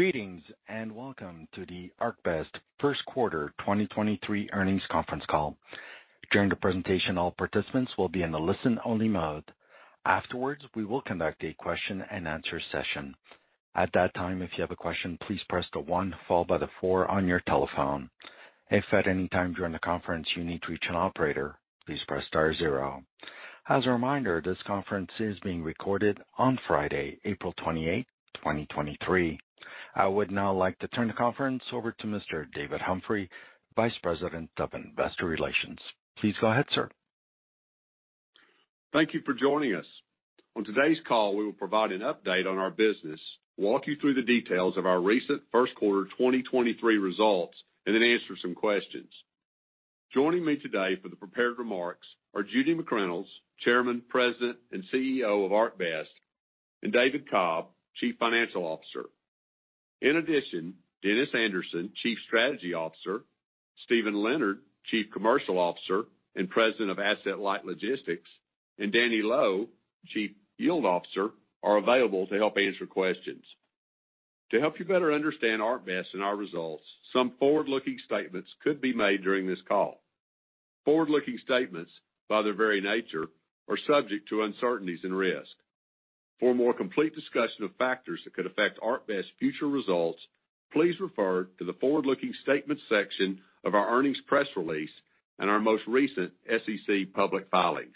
Greetings, and welcome to the ArcBest First Quarter 2023 Earnings Conference Call. During the presentation, all participants will be in a listen-only mode. Afterward, we will conduct a question-and-answer session. At that time, if you have a question, please press the one followed by the four on your telephone. If at any time during the conference you need to reach an operator, please press star zero. As a reminder, this conference is being recorded on Friday, April 28, 2023. I would now like to turn the conference over to Mr. David Humphrey, Vice President of Investor Relations. Please go ahead, sir. Thank you for joining us. On today's call, we will provide an update on our business, walk you through the details of our recent first-quarter 2023 results, and then answer some questions. Joining me today for the prepared remarks are Judy McReynolds, Chairman, President, and CEO of ArcBest, and David Cobb, Chief Financial Officer. In addition, Dennis Anderson, Chief Strategy Officer, Steven Leonard, Chief Commercial Officer, and President of Asset-Light Logistics, and Danny Loe, Chief Yield Officer, are available to help answer questions. To help you better understand ArcBest and our results, some forward-looking statements could be made during this call. Forward-looking statements, by their very nature, are subject to uncertainties and risks. For a more complete discussion of factors that could affect ArcBest's future results, please refer to the Forward-Looking Statements section of our earnings press release and our most recent SEC public filings.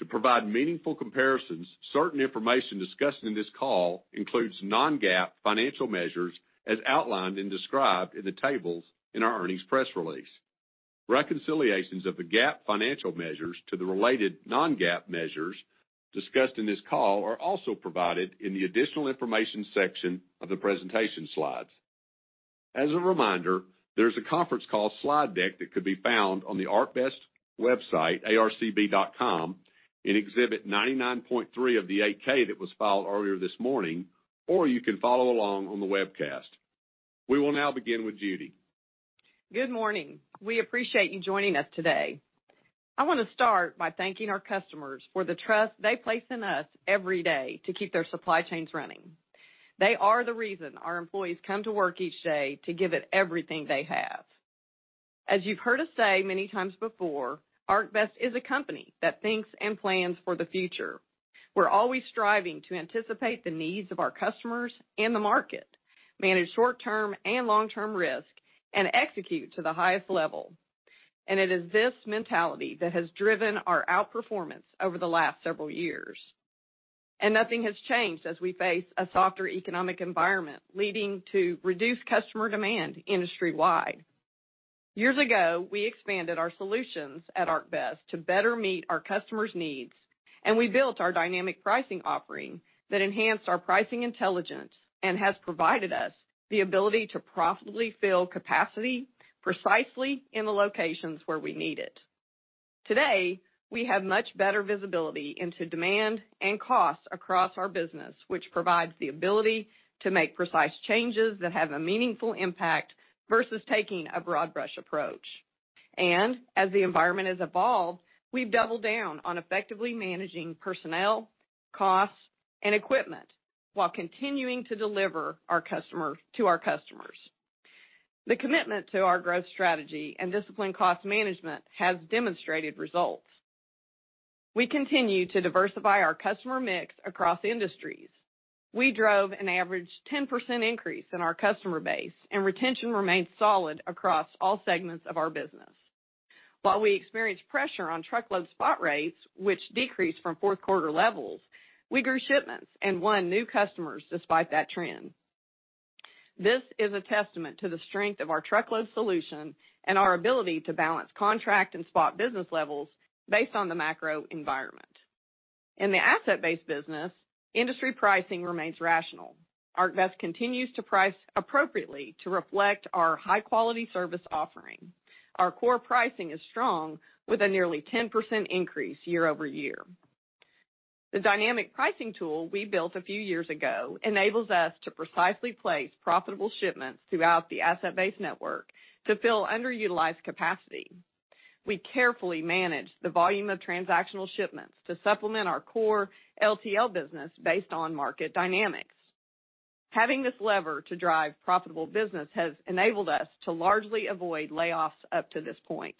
To provide meaningful comparisons, certain information discussed in this call includes non-GAAP financial measures as outlined and described in the tables in our earnings press release. Reconciliations of the GAAP financial measures to the related non-GAAP measures discussed in this call are also provided in the Additional Information section of the presentation slides. As a reminder, there's a conference call slide deck that could be found on the ArcBest website, arcb.com, in Exhibit 99.3 of the 8-K that was filed earlier this morning, or you can follow along on the webcast. We will now begin with Judy. Good morning. We appreciate you joining us today. I want to start by thanking our customers for the trust they place in us every day to keep their supply chains running. They are the reason our employees come to work each day to give it everything they have. As you've heard us say many times before, ArcBest is a company that thinks and plans for the future. We're always striving to anticipate the needs of our customers and the market, manage short-term and long-term risk, and execute to the highest level. It is this mentality that has driven our outperformance over the last several years. Nothing has changed as we face a softer economic environment, leading to reduced customer demand industry-wide. Years ago, we expanded our solutions at ArcBest to better meet our customers' needs. We built our dynamic pricing offering that enhanced our pricing intelligence and has provided us the ability to profitably fill capacity precisely in the locations where we need it. Today, we have much better visibility into demand and costs across our business, which provides the ability to make precise changes that have a meaningful impact versus taking a broad brush approach. As the environment has evolved, we've doubled down on effectively managing personnel, costs, and equipment while continuing to deliver to our customers. The commitment to our growth strategy and disciplined cost management has demonstrated results. We continue to diversify our customer mix across industries. We drove an average 10% increase in our customer base. Retention remains solid across all segments of our business. While we experienced pressure on truckload spot rates, which decreased from fourth quarter levels, we grew shipments and won new customers despite that trend. This is a testament to the strength of our truckload solution and our ability to balance contract and spot business levels based on the macro environment. In the asset-based business, industry pricing remains rational. ArcBest continues to price appropriately to reflect our high-quality service offering. Our core pricing is strong, with a nearly 10% increase year-over-year. The dynamic pricing tool we built a few years ago enables us to precisely place profitable shipments throughout the asset-based network to fill underutilized capacity. We carefully manage the volume of transactional shipments to supplement our core LTL business based on market dynamics. Having this lever to drive profitable business has enabled us to largely avoid layoffs up to this point.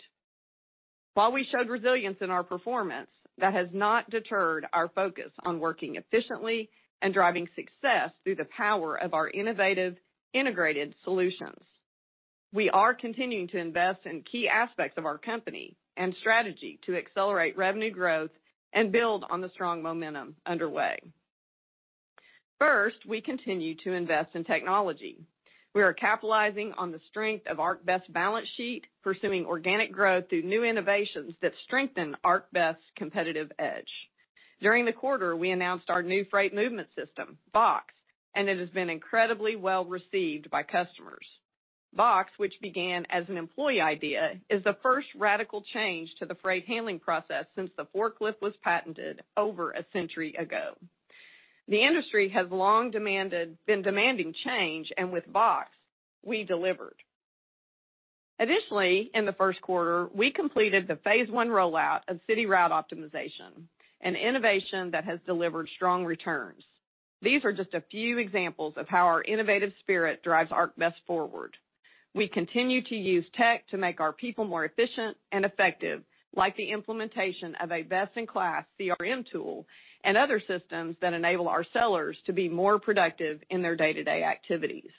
While we showed resilience in our performance, that has not deterred our focus on working efficiently and driving success through the power of our innovative, integrated solutions. We are continuing to invest in key aspects of our company and strategy to accelerate revenue growth and build on the strong momentum underway. First, we continue to invest in technology. We are capitalizing on the strength of ArcBest's balance sheet, pursuing organic growth through new innovations that strengthen ArcBest's competitive edge. During the quarter, we announced our new freight movement system, Vaux, and it has been incredibly well-received by customers. Vaux, which began as an employee idea, is the first radical change to the freight handling process since the forklift was patented over a century ago. The industry has long been demanding change, and with Vaux, we delivered. Additionally, in the first quarter, we completed the phase 1 rollout of City Route Optimization, an innovation that has delivered strong returns. These are just a few examples of how our innovative spirit drives ArcBest forward. We continue to use tech to make our people more efficient and effective, like the implementation of a best-in-class CRM tool and other systems that enable our sellers to be more productive in their day-to-day activities.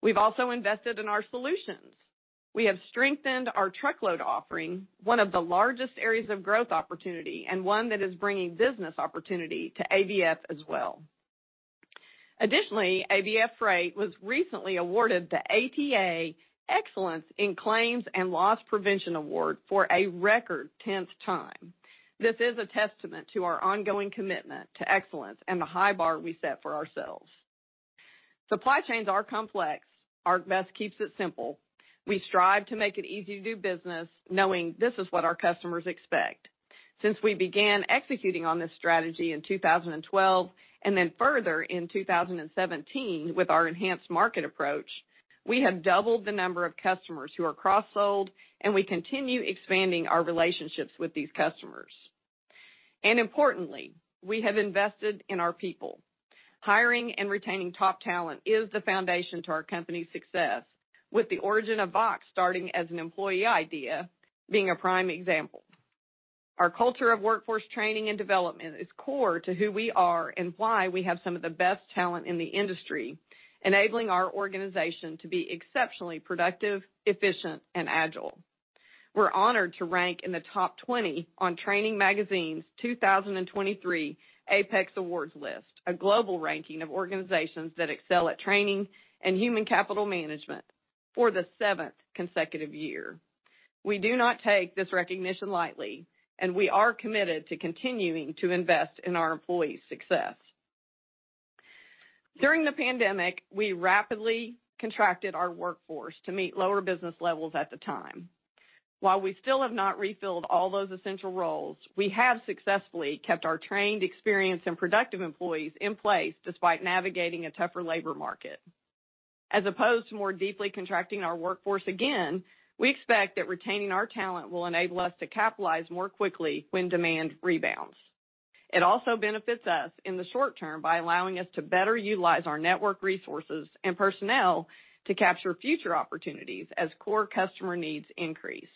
We've also invested in our solutions. We have strengthened our truckload offering, one of the largest areas of growth opportunity and one that is bringing business opportunity to ABF as well. Additionally, ABF Freight was recently awarded the Excellence in Cargo Claims and Loss Prevention Award for a record 10th time. This is a testament to our ongoing commitment to excellence and the high bar we set for ourselves. Supply chains are complex. ArcBest keeps it simple. We strive to make it easy to do business, knowing this is what our customers expect. Since we began executing on this strategy in 2012, and then further in 2017 with our enhanced market approach, we have doubled the number of customers who are cross-sold, and we continue expanding our relationships with these customers. Importantly, we have invested in our people. Hiring and retaining top talent is the foundation to our company's success. With the origin of Vaux starting as an employee idea being a prime example. Our culture of workforce training and development is core to who we are and why we have some of the best talent in the industry, enabling our organization to be exceptionally productive, efficient, and agile. We're honored to rank in the top 20 on Training magazine's 2023 APEX Awards list, a global ranking of organizations that excel at training and human capital management for the 7th consecutive year. We do not take this recognition lightly, and we are committed to continuing to invest in our employees' success. During the pandemic, we rapidly contracted our workforce to meet lower business levels at the time. While we still have not refilled all those essential roles, we have successfully kept our trained, experienced, and productive employees in place despite navigating a tougher labor market. As opposed to more deeply contracting our workforce again, we expect that retaining our talent will enable us to capitalize more quickly when demand rebounds. It also benefits us in the short term by allowing us to better utilize our network resources and personnel to capture future opportunities as core customer needs increase.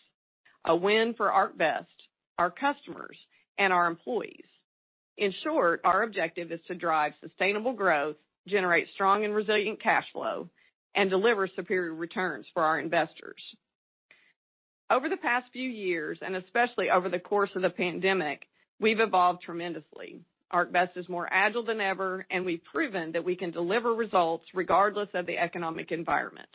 A win for ArcBest, our customers, and our employees. In short, our objective is to drive sustainable growth, generate strong and resilient cash flow, and deliver superior returns for our investors. Over the past few years, and especially over the course of the pandemic, we've evolved tremendously. ArcBest is more agile than ever, and we've proven that we can deliver results regardless of the economic environment.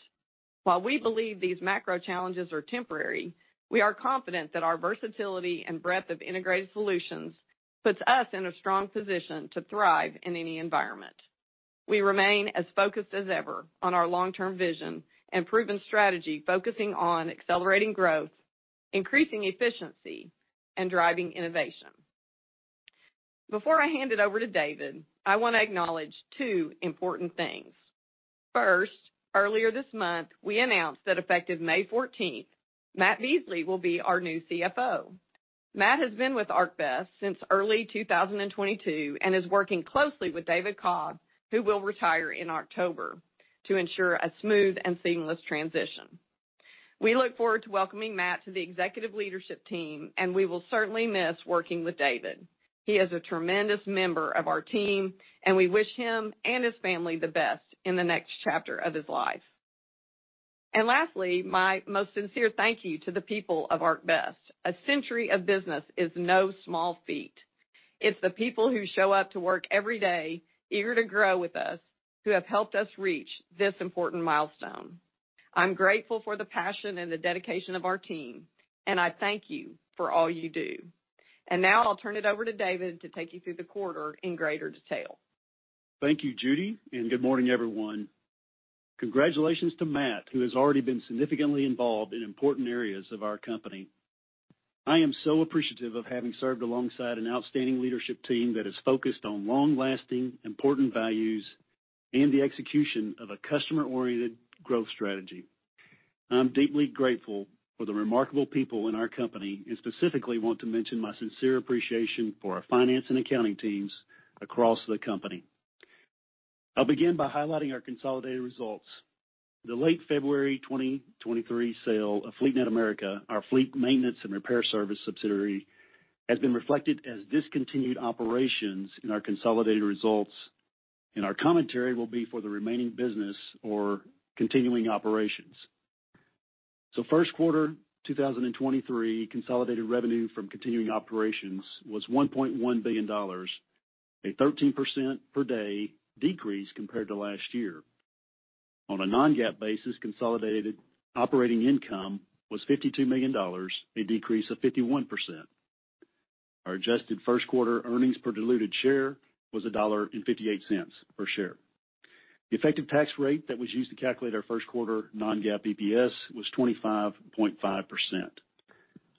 While we believe these macro challenges are temporary, we are confident that our versatility and breadth of integrated solutions puts us in a strong position to thrive in any environment. Earlier this month, we announced that effective May 14th, Matt Beasley will be our new CFO. Matt has been with ArcBest since early 2022 and is working closely with David Cobb, who will retire in October to ensure a smooth and seamless transition. We look forward to welcoming Matt to the executive leadership team, we will certainly miss working with David. He is a tremendous member of our team, we wish him and his family the best in the next chapter of his life. Lastly, my most sincere thank you to the people of ArcBest. A century of business is no small feat. It's the people who show up to work every day, eager to grow with us who have helped us reach this important milestone. I'm grateful for the passion and the dedication of our team, and I thank you for all you do. Now I'll turn it over to David to take you through the quarter in greater detail. Thank you, Judy. Good morning, everyone. Congratulations to Matt, who has already been significantly involved in important areas of our company. I am so appreciative of having served alongside an outstanding leadership team that is focused on long-lasting, important values and the execution of a customer-oriented growth strategy. I'm deeply grateful for the remarkable people in our company, and specifically want to mention my sincere appreciation for our finance and accounting teams across the company. I'll begin by highlighting our consolidated results. The late February 2023 sale of FleetNet America, our fleet maintenance and repair service subsidiary, has been reflected as discontinued operations in our consolidated results, and our commentary will be for the remaining business or continuing operations. First quarter 2023 consolidated revenue from continuing operations was $1.1 billion, a 13% per day decrease compared to last year. On a non-GAAP basis, consolidated operating income was $52 million, a decrease of 51%. Our adjusted first quarter earnings per diluted share was $1.58 per share. The effective tax rate that was used to calculate our first quarter non-GAAP EPS was 25.5%.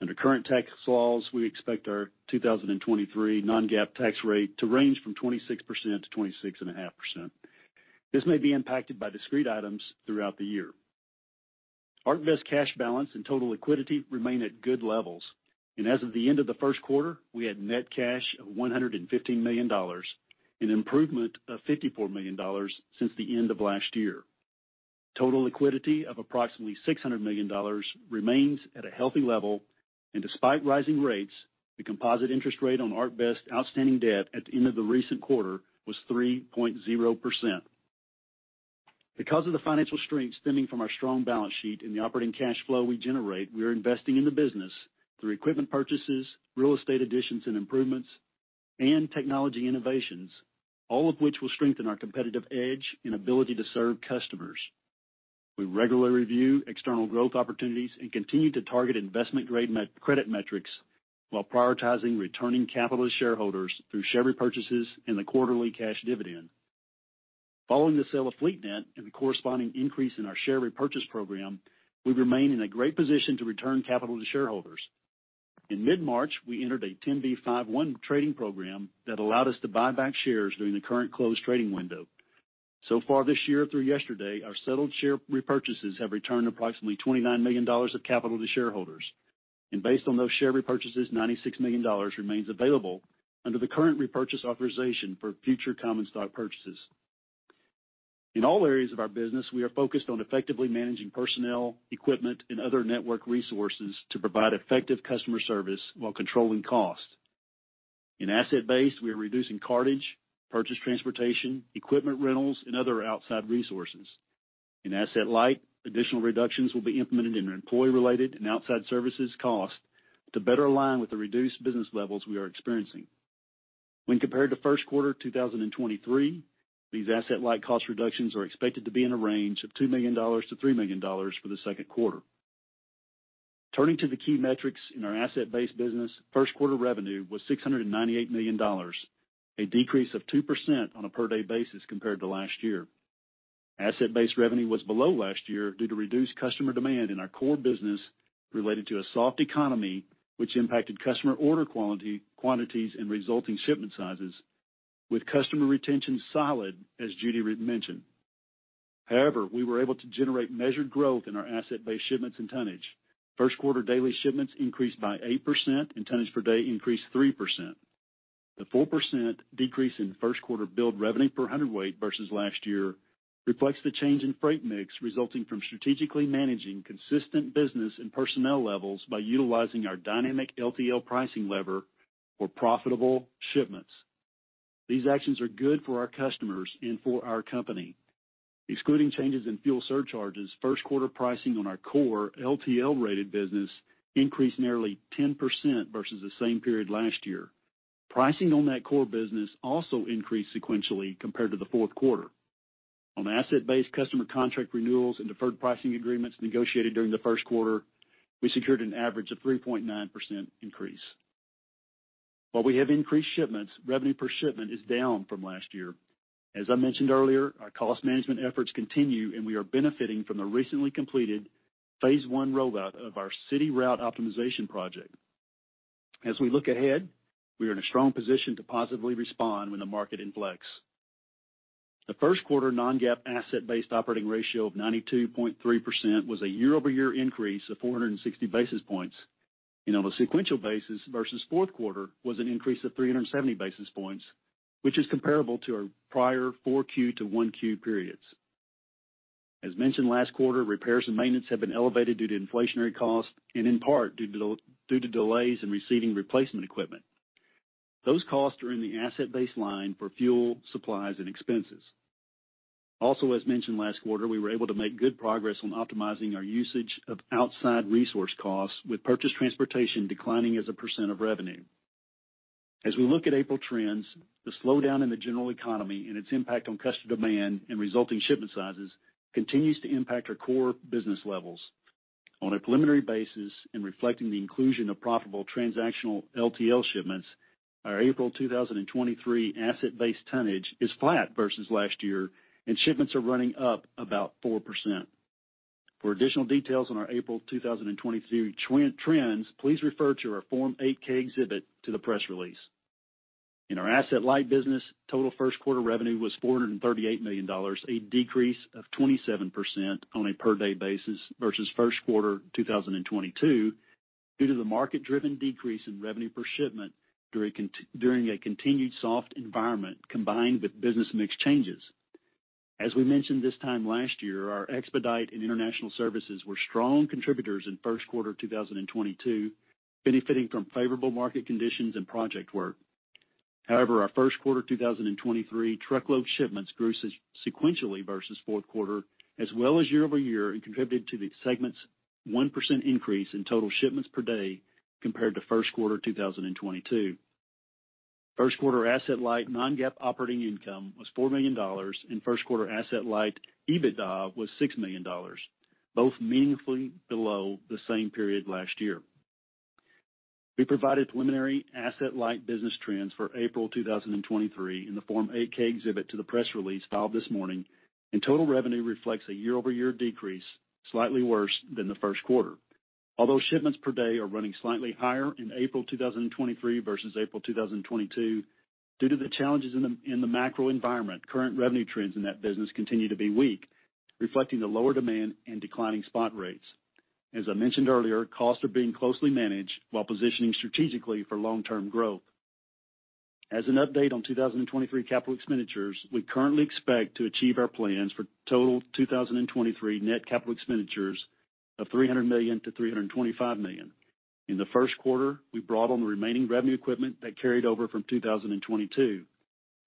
Under current tax laws, we expect our 2023 non-GAAP tax rate to range from 26%-26.5%. This may be impacted by discrete items throughout the year. ArcBest cash balance and total liquidity remain at good levels. As of the end of the first quarter, we had net cash of $115 million, an improvement of $54 million since the end of last year. Total liquidity of approximately $600 million remains at a healthy level. Despite rising rates, the composite interest rate on ArcBest outstanding debt at the end of the recent quarter was 3.0%. Because of the financial strength stemming from our strong balance sheet and the operating cash flow we generate, we are investing in the business through equipment purchases, real estate additions and improvements, and technology innovations, all of which will strengthen our competitive edge and ability to serve customers. We regularly review external growth opportunities and continue to target investment grade credit metrics while prioritizing returning capital to shareholders through share repurchases and the quarterly cash dividend. Following the sale of FleetNet and the corresponding increase in our share repurchase program, we remain in a great position to return capital to shareholders. In mid-March, we entered a 10b5-1 trading program that allowed us to buy back shares during the current closed trading window. So far this year through yesterday, our settled share repurchases have returned approximately $29 million of capital to shareholders. Based on those share repurchases, $96 million remains available under the current repurchase authorization for future common stock purchases. In all areas of our business, we are focused on effectively managing personnel, equipment, and other network resources to provide effective customer service while controlling cost. In asset-based, we are reducing cartage, purchase transportation, equipment rentals, and other outside resources. In Asset-Light, additional reductions will be implemented in employee related and outside services cost to better align with the reduced business levels we are experiencing. When compared to first quarter 2023, these Asset-Light cost reductions are expected to be in a range of $2 million-$3 million for the second quarter. Turning to the key metrics in our asset-based business, first quarter revenue was $698 million, a decrease of 2% on a per day basis compared to last year. Asset-based revenue was below last year due to reduced customer demand in our core business related to a soft economy, which impacted customer order quality, quantities and resulting shipment sizes with customer retention solid, as Judy mentioned. We were able to generate measured growth in our asset-based shipments and tonnage. First quarter daily shipments increased by 8% and tonnage per day increased 3%. The 4% decrease in first quarter billed revenue per hundredweight versus last year reflects the change in freight mix resulting from strategically managing consistent business and personnel levels by utilizing our dynamic LTL pricing lever for profitable shipments. These actions are good for our customers and for our company. Excluding changes in fuel surcharges, first quarter pricing on our core LTL rated business increased nearly 10% versus the same period last year. Pricing on that core business also increased sequentially compared to the fourth quarter. On asset-based customer contract renewals and deferred pricing agreements negotiated during the first quarter, we secured an average of 3.9% increase. While we have increased shipments, revenue per shipment is down from last year. As I mentioned earlier, our cost management efforts continue and we are benefiting from the recently completed phase 1 rollout of our City Route Optimization project. As we look ahead, we are in a strong position to positively respond when the market inflects. The first quarter non-GAAP asset-based operating ratio of 92.3% was a year-over-year increase of 460 basis points. On a sequential basis versus fourth quarter was an increase of 370 basis points, which is comparable to our prior four Q to one Q periods. As mentioned last quarter, repairs and maintenance have been elevated due to inflationary costs and in part due to delays in receiving replacement equipment. Those costs are in the asset-based line for fuel, supplies and expenses. Also as mentioned last quarter, we were able to make good progress on optimizing our usage of outside resource costs with purchase transportation declining as a % of revenue. As we look at April trends, the slowdown in the general economy and its impact on customer demand and resulting shipment sizes continues to impact our core business levels. On a preliminary basis and reflecting the inclusion of profitable transactional LTL shipments, our April 2023 asset-based tonnage is flat versus last year and shipments are running up about 4%. For additional details on our April 2023 trends, please refer to our Form 8-K exhibit to the press release. In our Asset-Light business, total first quarter revenue was $438 million, a decrease of 27% on a per day basis versus first quarter 2022 due to the market driven decrease in revenue per shipment during a continued soft environment combined with business mix changes. As we mentioned this time last year, our expedite and international services were strong contributors in first quarter 2022, benefiting from favorable market conditions and project work. Our first quarter 2023 truckload shipments grew sequentially versus fourth quarter as well as year-over-year and contributed to the segment's 1% increase in total shipments per day compared to first quarter 2022. First quarter Asset-Light non-GAAP operating income was $4 million and first quarter Asset-Light EBITDA was $6 million, both meaningfully below the same period last year. We provided preliminary Asset-Light business trends for April 2023 in the Form 8-K exhibit to the press release filed this morning. Total revenue reflects a year-over-year decrease slightly worse than the first quarter. Although shipments per day are running slightly higher in April 2023 versus April 2022, due to the challenges in the macro environment, current revenue trends in that business continue to be weak, reflecting the lower demand and declining spot rates. As I mentioned earlier, costs are being closely managed while positioning strategically for long-term growth. As an update on 2023 capital expenditures, we currently expect to achieve our plans for total 2023 net capital expenditures of $300 million-$325 million. In the first quarter, we brought on the remaining revenue equipment that carried over from 2022,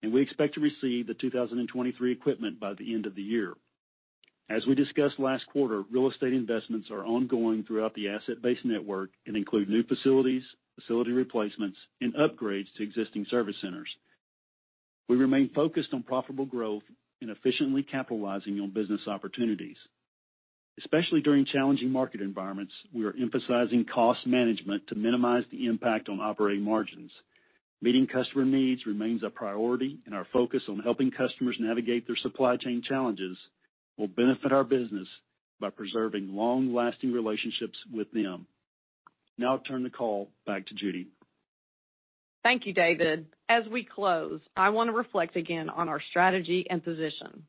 and we expect to receive the 2023 equipment by the end of the year. As we discussed last quarter, real estate investments are ongoing throughout the asset-based network and include new facilities, facility replacements, and upgrades to existing service centers. We remain focused on profitable growth and efficiently capitalizing on business opportunities. Especially during challenging market environments, we are emphasizing cost management to minimize the impact on operating margins. Meeting customer needs remains a priority, and our focus on helping customers navigate their supply chain challenges will benefit our business by preserving long-lasting relationships with them. Now I turn the call back to Judy. Thank you, David. As we close, I want to reflect again on our strategy and position.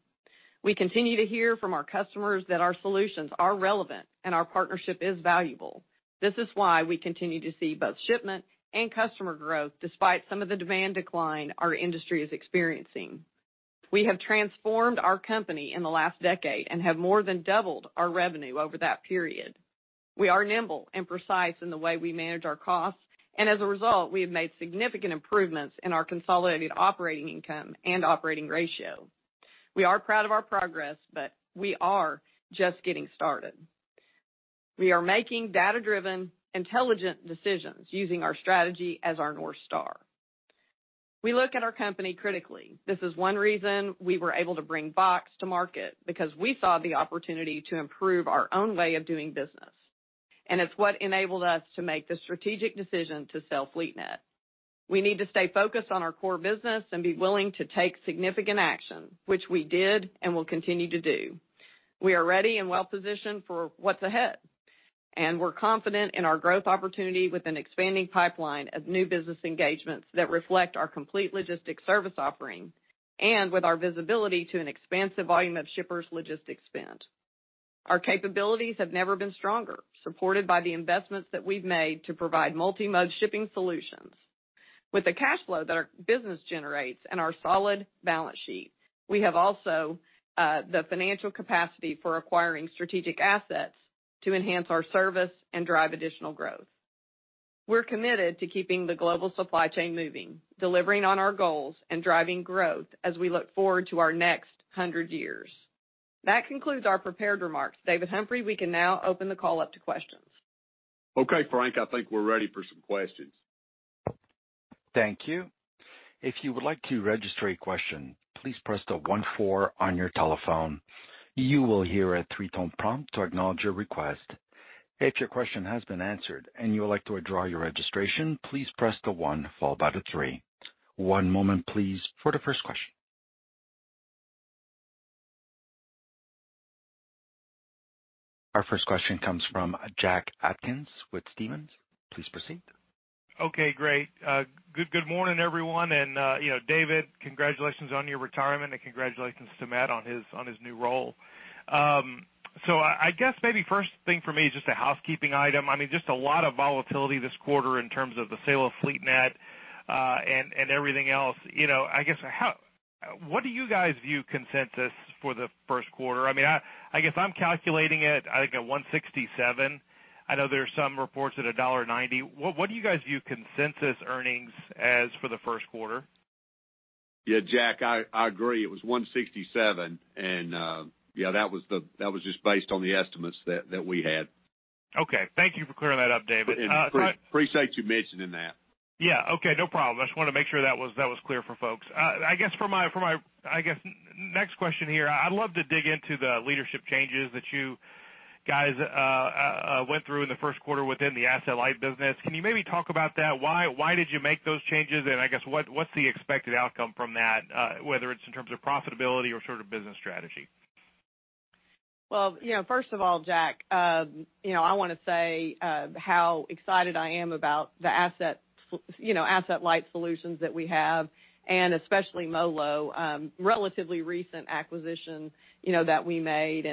We continue to hear from our customers that our solutions are relevant and our partnership is valuable. This is why we continue to see both shipment and customer growth despite some of the demand decline our industry is experiencing. We have transformed our company in the last decade and have more than doubled our revenue over that period. We are nimble and precise in the way we manage our costs, and as a result, we have made significant improvements in our consolidated operating income and operating ratio. We are proud of our progress, but we are just getting started. We are making data-driven, intelligent decisions using our strategy as our North Star. We look at our company critically. This is one reason we were able to bring Vaux to market because we saw the opportunity to improve our own way of doing business. It's what enabled us to make the strategic decision to sell FleetNet. We need to stay focused on our core business and be willing to take significant action, which we did and will continue to do. We are ready and well positioned for what's ahead, and we're confident in our growth opportunity with an expanding pipeline of new business engagements that reflect our complete logistics service offering and with our visibility to an expansive volume of shippers' logistics spend. Our capabilities have never been stronger, supported by the investments that we've made to provide multi-mode shipping solutions. With the cash flow that our business generates and our solid balance sheet, we have also the financial capacity for acquiring strategic assets to enhance our service and drive additional growth. We're committed to keeping the global supply chain moving, delivering on our goals and driving growth as we look forward to our next 100 years. That concludes our prepared remarks. David Humphrey, we can now open the call up to questions. Okay, Frank, I think we're ready for some questions. Thank you. If you would like to register a question, please press the one four on your telephone. You will hear a three-tone prompt to acknowledge your request. If your question has been answered and you would like to withdraw your registration, please press the one followed by the three. One moment please for the first question. Our first question comes from Jack Atkins with Stephens. Please proceed. Okay, great. good morning, everyone. You know, David, congratulations on your retirement, and congratulations to Matt on his new role. I guess maybe first thing for me is just a housekeeping item. just a lot of volatility this quarter in terms of the sale of FleetNet, and everything else. You know, I guess what do you guys view consensus for the first quarter? I guess I'm calculating it, I think, at $1.67. I know there are some reports at $1.90. What, what do you guys view consensus earnings as for the first quarter? Yeah, Jack, I agree. It was $1.67, and, yeah, that was just based on the estimates that we had. Okay. Thank you for clearing that up, David. Appreciate you mentioning that. Yeah. Okay. No problem. I just want to make sure that was clear for folks. I guess for my next question here, I'd love to dig into the leadership changes that you guys went through in the first quarter within the asset-light business. Can you maybe talk about that? Why did you make those changes? I guess what's the expected outcome from that, whether it's in terms of profitability or sort of business strategy? Well, you know, first of all, Jack, you know, I want to say how excited I am about the asset, you know, asset-light solutions that we have and especially MoLo, relatively recent acquisition, you know, that we made.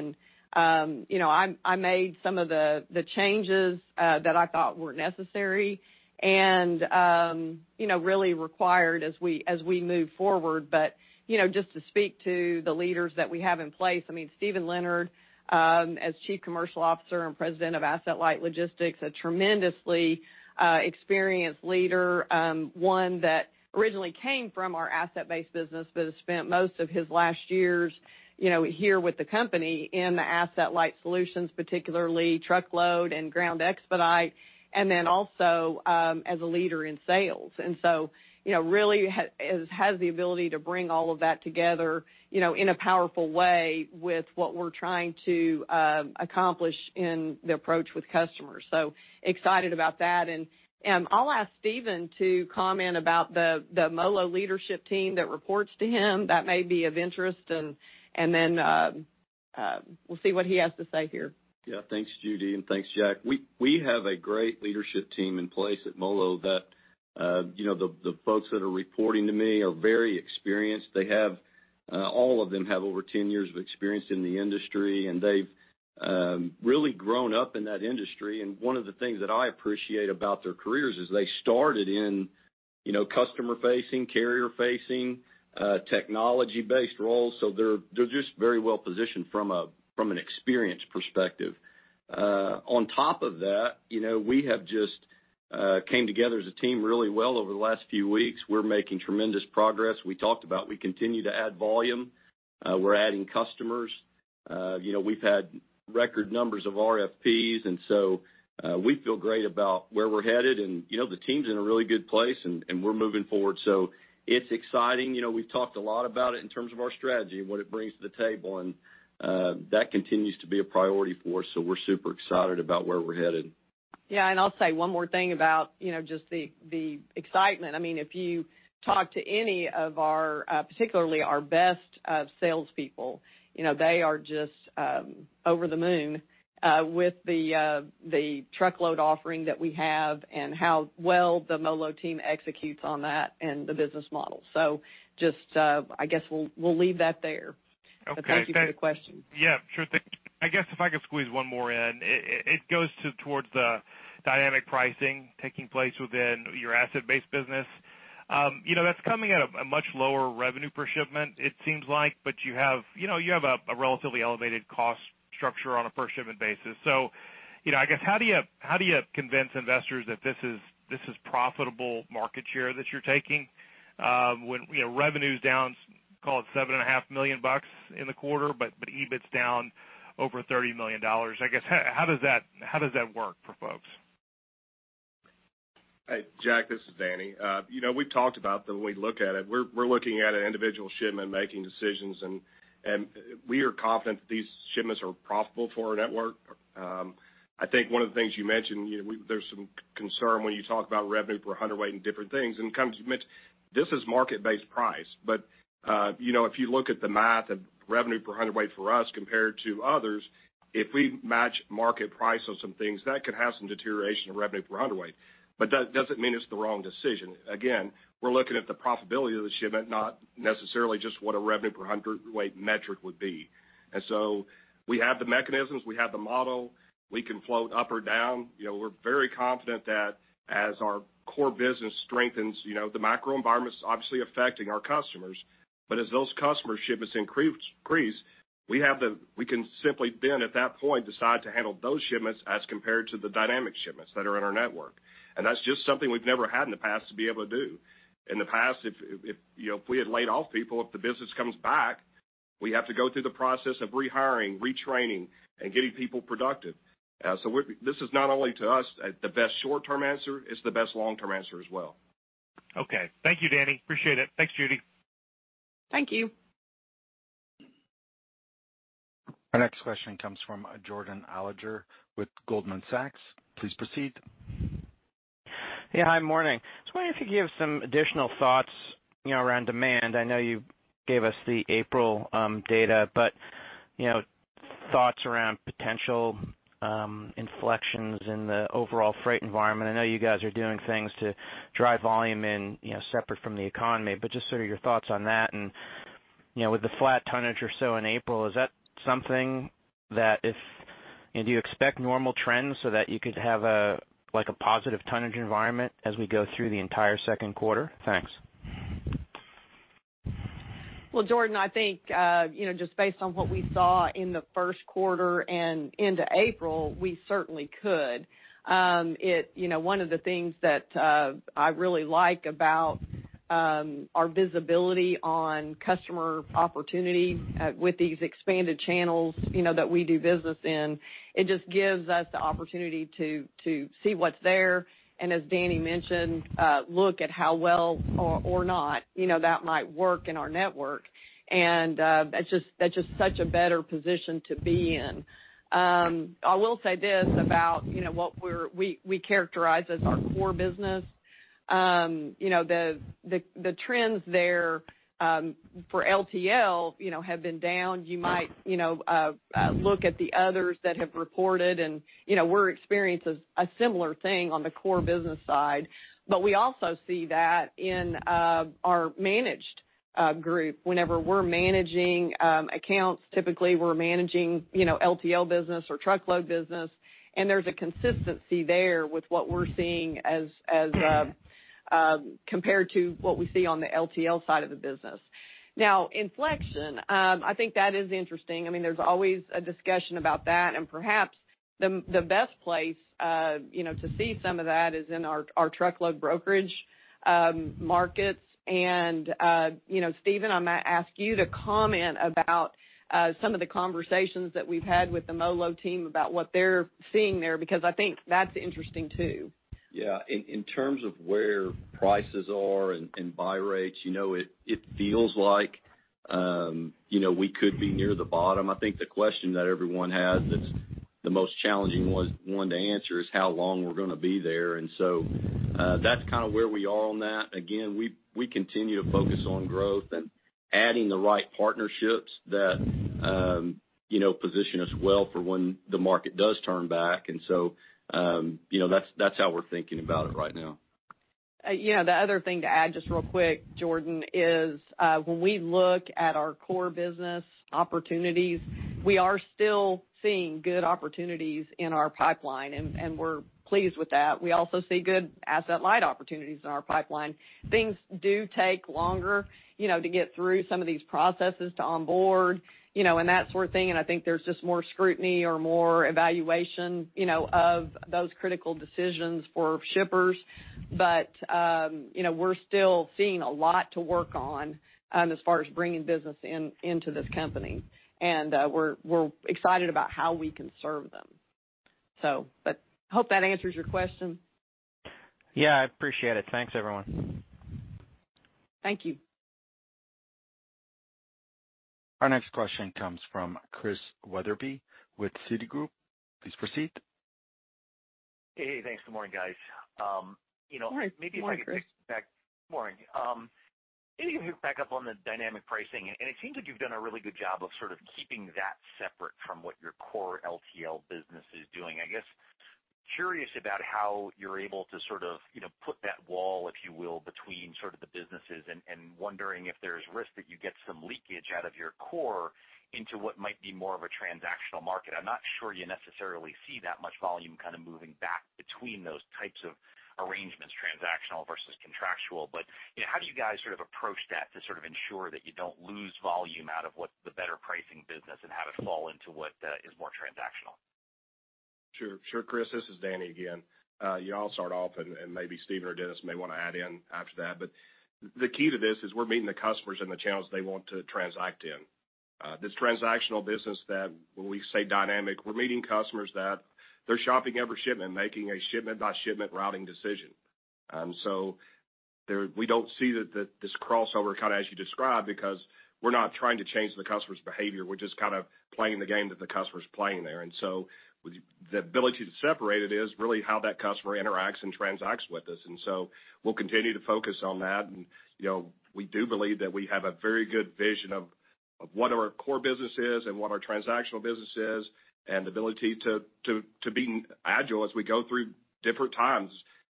You know, I made some of the changes that I thought were necessary and, you know, really required as we, as we move forward. You know, just to speak to the leaders that we have in place, I mean, Steven Leonard, as Chief Commercial Officer and President of Asset-Light Logistics, a tremendously experienced leader, one that originally came from our asset-based business, but has spent most of his last years, you know, here with the company in the asset-light solutions, particularly truckload and ground expedite, and then also, as a leader in sales. You know, really has the ability to bring all of that together, you know, in a powerful way with what we're trying to accomplish in the approach with customers. Excited about that. I'll ask Steven to comment about the MoLo leadership team that reports to him that may be of interest. We'll see what he has to say here. Yeah, thanks, Judy, and thanks, Jack. We have a great leadership team in place at MoLo that, you know, the folks that are reporting to me are very experienced. All of them have over 10 years of experience in the industry, and they've really grown up in that industry. One of the things that I appreciate about their careers is they started in, you know, customer-facing, carrier-facing, technology-based roles. They're just very well-positioned from an experience perspective. On top of that, you know, we have just came together as a team really well over the last few weeks. We're making tremendous progress. We talked about we continue to add volume. We're adding customers. You know, we've had record numbers of RFPs, we feel great about where we're headed. You know, the team's in a really good place and we're moving forward. It's exciting. You know, we've talked a lot about it in terms of our strategy and what it brings to the table, that continues to be a priority for us. We're super excited about where we're headed. Yeah. I'll say one more thing about, you know, just the excitement. I mean, if you talk to any of our, particularly our best of salespeople, you know, they are just over the moon with the truckload offering that we have and how well the MoLo team executes on that and the business model. Just, I guess we'll leave that there. Okay. Thank you for the question. Yeah. Sure thing. I guess if I could squeeze one more in, it goes towards the dynamic pricing taking place within your asset-based business. You know, that's coming at a much lower revenue per shipment, it seems like. But you have, you know, you have a relatively elevated cost structure on a per shipment basis. I guess how do you convince investors that this is profitable market share that you're taking, when, you know, revenue's down, call it seven and a half million dollars in the quarter, but EBIT's down over $30 million? I guess, how does that work for folks? Hey, Jack, this is Danny. You know, we've talked about that when we look at it. We're looking at an individual shipment making decisions, and we are confident these shipments are profitable for our network. I think one of the things you mentioned, you know, there's some concern when you talk about revenue per hundredweight and different things and comes to this is market-based price. You know, if you look at the math of revenue per hundredweight for us compared to others, if we match market price on some things, that could have some deterioration of revenue per hundredweight, but that doesn't mean it's the wrong decision. Again, we're looking at the profitability of the shipment, not necessarily just what a revenue per hundredweight metric would be. So we have the mechanisms, we have the model. We can float up or down. You know, we're very confident that as our core business strengthens, you know, the macro environment's obviously affecting our customers. As those customer shipments increase, we can simply then, at that point, decide to handle those shipments as compared to the dynamic shipments that are in our network. That's just something we've never had in the past to be able to do. In the past, if, you know, if we had laid off people, if the business comes back, we have to go through the process of rehiring, retraining, and getting people productive. We're-- this is not only to us, the best short-term answer, it's the best long-term answer as well. Okay. Thank you, Danny. Appreciate it. Thanks, Judy. Thank you. Our next question comes from Jordan Alliger with Goldman Sachs. Please proceed. Yeah. Hi. Morning. Just wondering if you could give some additional thoughts, you know, around demand. I know you gave us the April data, but, you know, thoughts around potential inflections in the overall freight environment. I know you guys are doing things to drive volume in, you know, separate from the economy, but just sort of your thoughts on that. You know, with the flat tonnage or so in April, is that something that. Do you expect normal trends so that you could have a, like, a positive tonnage environment as we go through the entire second quarter? Thanks. Well, Jordan, I think, you know, just based on what we saw in the first quarter and into April, we certainly could. You know, one of the things that, I really like about, our visibility on customer opportunity, with these expanded channels, you know, that we do business in, it just gives us the opportunity to see what's there, and as Danny mentioned, look at how well or not, you know, that might work in our network. That's just such a better position to be in. I will say this about, you know, what we characterize as our core business. You know, the, the trends there, for LTL, you know, have been down. You might, you know, look at the others that have reported and, you know, we're experiencing a similar thing on the core business side. We also see that in our managed group. Whenever we're managing accounts, typically we're managing, you know, LTL business or truckload business, and there's a consistency there with what we're seeing as compared to what we see on the LTL side of the business. Now, inflection, I think that is interesting. I mean, there's always a discussion about that, and perhaps the best place, you know, to see some of that is in our truckload brokerage markets. You know, Steven, I'm gonna ask you to comment about some of the conversations that we've had with the MoLo team about what they're seeing there, because I think that's interesting, too. Yeah. In terms of where prices are and buy rates, you know, it feels like, you know, we could be near the bottom. I think the question that everyone has that's the most challenging one to answer is how long we're gonna be there. That's kind of where we are on that. Again, we continue to focus on growth and adding the right partnerships that, you know, position us well for when the market does turn back. You know, that's how we're thinking about it right now. Yeah, the other thing to add just real quick, Jordan, is when we look at our core business opportunities, we are still seeing good opportunities in our pipeline, and we're pleased with that. We also see good Asset-Light opportunities in our pipeline. Things do take longer, you know, to get through some of these processes to onboard, you know, and that sort of thing. I think there's just more scrutiny or more evaluation, you know, of those critical decisions for shippers. You know, we're still seeing a lot to work on as far as bringing business into this company. We're excited about how we can serve them. Hope that answers your question. Yeah, I appreciate it. Thanks, everyone. Thank you. Our next question comes from Christian Wetherbee with Citigroup. Please proceed. Hey. Thanks. Good morning, guys. you know. Good morning, Chris. Morning. Maybe if you could pick up on the dynamic pricing. It seems like you've done a really good job of sort of keeping that separate from what your core LTL business is doing. I guess, curious about how you're able to sort of, you know, put that wall, if you will, between sort of the businesses and wondering if there's risk that you get some leakage out of your core into what might be more of a transactional market. I'm not sure you necessarily see that much volume kind of moving back between those types of arrangements, transactional versus contractual. You know, how do you guys sort of approach that to sort of ensure that you don't lose volume out of what the better pricing business and have it fall into what is more transactional? Sure. Sure. Chris, this is Danny again. Yeah, I'll start off, and maybe Steven or Dennis may wanna add in after that. The key to this is we're meeting the customers in the channels they want to transact in. This transactional business that when we say dynamic, we're meeting customers that they're shopping every shipment, making a shipment by shipment routing decision. We don't see that this crossover kind of as you described, because we're not trying to change the customer's behavior. We're just kind of playing the game that the customer is playing there. The ability to separate it is really how that customer interacts and transacts with us. We'll continue to focus on that. We do believe that we have a very good vision of what our core business is and what our transactional business is and the ability to be agile as we go through different times.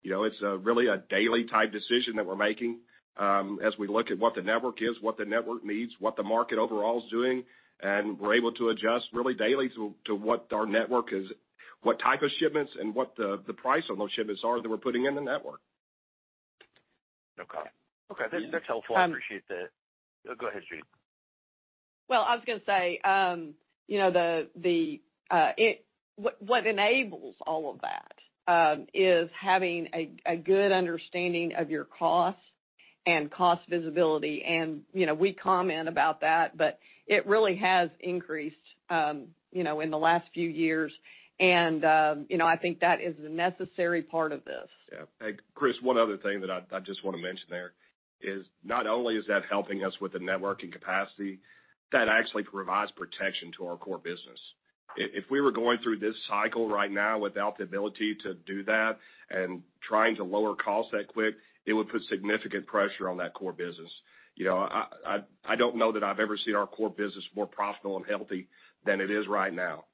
It's really a daily type decision that we're making as we look at what the network is, what the network needs, what the market overall is doing, and we're able to adjust really daily to what our network is, what type of shipments and what the price of those shipments are that we're putting in the network. Okay. Okay. That's helpful. I appreciate that. Go ahead, Judy. Well, I was gonna say, you know, the, what enables all of that, is having a good understanding of your costs and cost visibility. You know, we comment about that, but it really has increased, you know, in the last few years. You know, I think that is a necessary part of this. Yeah. Chris, one other thing that I just want to mention there is not only is that helping us with the networking capacity, that actually provides protection to our core business. If we were going through this cycle right now without the ability to do that and trying to lower costs that quick, it would put significant pressure on that core business. You know, I don't know that I've ever seen our core business more profitable and healthy than it is right now.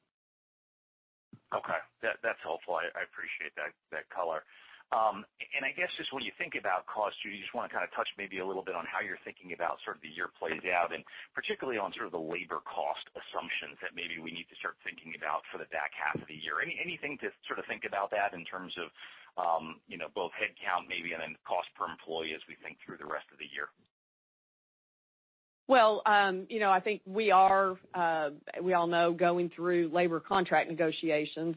Okay. That's helpful. I appreciate that color. I guess just when you think about costs, you just wanna kind of touch maybe a little bit on how you're thinking about sort of the year plays out and particularly on sort of the labor cost assumptions that maybe we need to start thinking about for the back half of the year. Anything to sort of think about that in terms of, you know, both headcount maybe and then cost per employee as we think through the rest of the year? You know, I think we are, we all know, going through labor contract negotiations.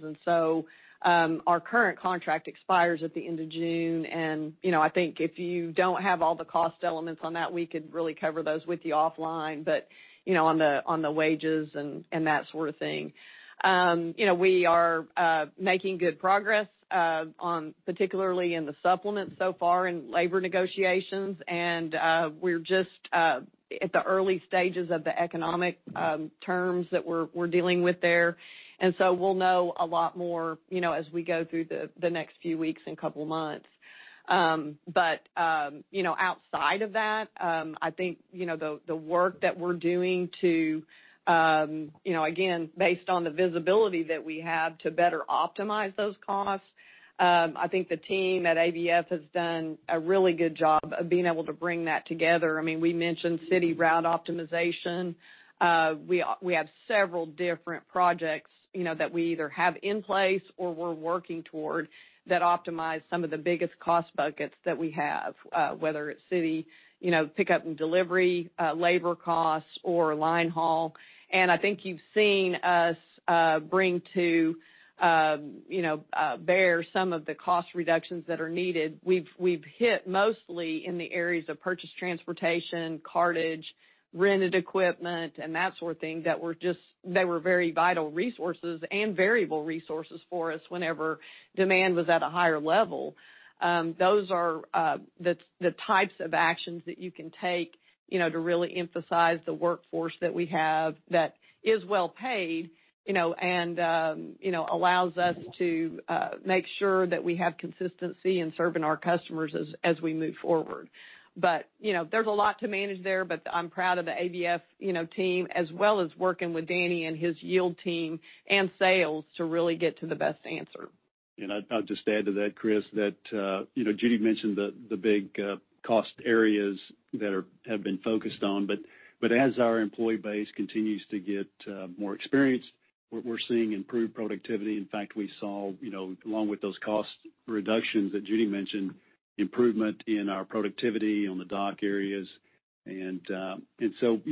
Our current contract expires at the end of June. You know, I think if you don't have all the cost elements on that, we could really cover those with you offline. You know, on the, on the wages and that sort of thing. You know, we are making good progress on particularly in the supplements so far in labor negotiations. We're just at the early stages of the economic terms that we're dealing with there. We'll know a lot more, you know, as we go through the next few weeks and couple of months. You know, outside of that, I think, you know, the work that we're doing to, you know, again, based on the visibility that we have to better optimize those costs, I think the team at ABF has done a really good job of being able to bring that together. I mean, we mentioned City Route Optimization. We have several different projects, you know, that we either have in place or we're working toward that optimize some of the biggest cost buckets that we have, whether it's city, you know, pickup and delivery, labor costs or line haul. I think you've seen us bring to, you know, bear some of the cost reductions that are needed. We've hit mostly in the areas of purchase, transportation, cartage, rented equipment, and that sort of thing that were very vital resources and variable resources for us whenever demand was at a higher level. Those are the types of actions that you can take, you know, to really emphasize the workforce that we have that is well-paid, you know, and, you know, allows us to make sure that we have consistency in serving our customers as we move forward. You know, there's a lot to manage there, but I'm proud of the ABF, you know, team, as well as working with Danny and his yield team and sales to really get to the best answer. I'd just add to that, Chris, that, you know, Judy mentioned the big cost areas that have been focused on, but as our employee base continues to get more experience, we're seeing improved productivity. In fact, we saw, you know, along with those cost reductions that Judy mentioned, improvement in our productivity on the dock areas. You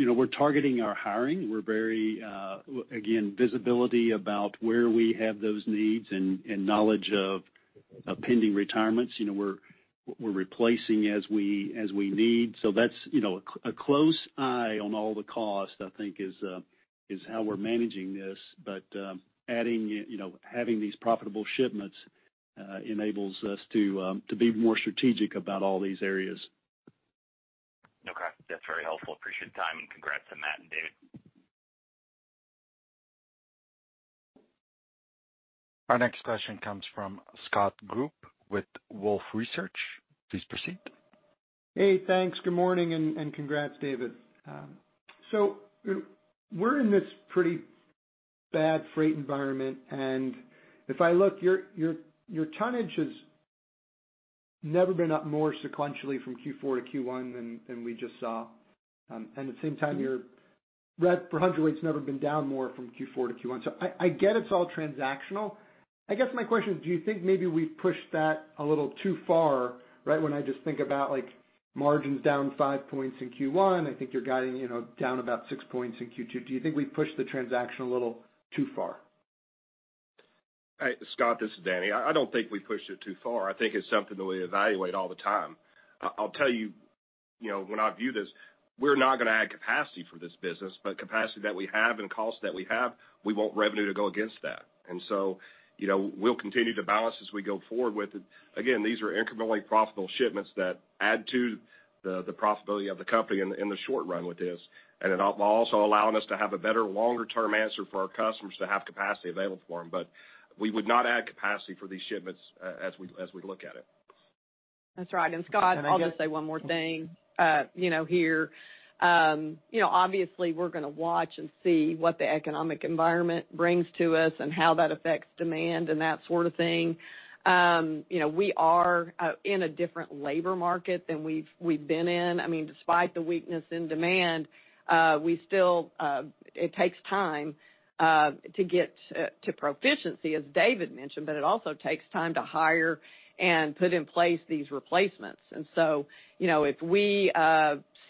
know, we're targeting our hiring. We're very, again, visibility about where we have those needs and knowledge of pending retirements. You know, we're replacing as we need. That's, you know, a close eye on all the costs, I think, is how we're managing this. Adding, you know, having these profitable shipments enables us to be more strategic about all these areas. Okay. That's very helpful. Appreciate the time. Congrats to Matt and David. Our next question comes from Scott Group with Wolfe Research. Please proceed. Hey, thanks. Good morning, and congrats, David. We're in this pretty bad freight environment, and if I look, your tonnage has never been up more sequentially from Q4 to Q1 than we just saw. At the same time, your rev per hundred weight's never been down more from Q4 to Q1. I get it's all transactional. I guess my question is, do you think maybe we've pushed that a little too far, right? When I just think about, like, margins down 5 points in Q1. I think you're guiding, you know, down about 6 points in Q2. Do you think we've pushed the transaction a little too far? Hey, Scott, this is Danny. I don't think we pushed it too far. I think it's something that we evaluate all the time. I'll tell you know, when I view this, we're not gonna add capacity for this business, but capacity that we have and costs that we have, we want revenue to go against that. You know, we'll continue to balance as we go forward with it. Again, these are incrementally profitable shipments that add to the profitability of the company in the short run with this. It while also allowing us to have a better longer term answer for our customers to have capacity available for them. We would not add capacity for these shipments as we look at it. That's right. Scott, I'll just say one more thing, you know, here. You know, obviously, we're gonna watch and see what the economic environment brings to us and how that affects demand and that sort of thing. You know, we are in a different labor market than we've been in. I mean, despite the weakness in demand, we still, it takes time to get to proficiency, as David mentioned, but it also takes time to hire and put in place these replacements. You know, if we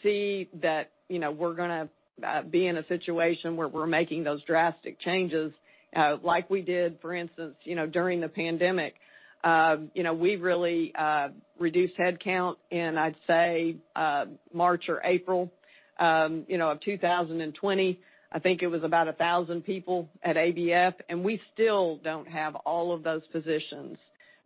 see that, you know, we're gonna be in a situation where we're making those drastic changes, like we did, for instance, you know, during the pandemic, you know, we really reduced headcount in, I'd say, March or April, you know, of 2020. I think it was about 1,000 people at ABF, and we still don't have all of those positions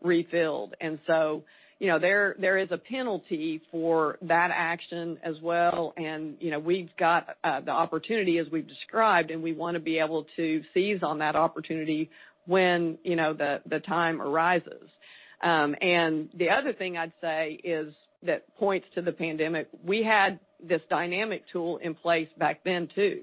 refilled. So, you know, there is a penalty for that action as well. You know, we've got the opportunity as we've described, and we wanna be able to seize on that opportunity when, you know, the time arises. The other thing I'd say is that points to the pandemic. We had this dynamic tool in place back then too,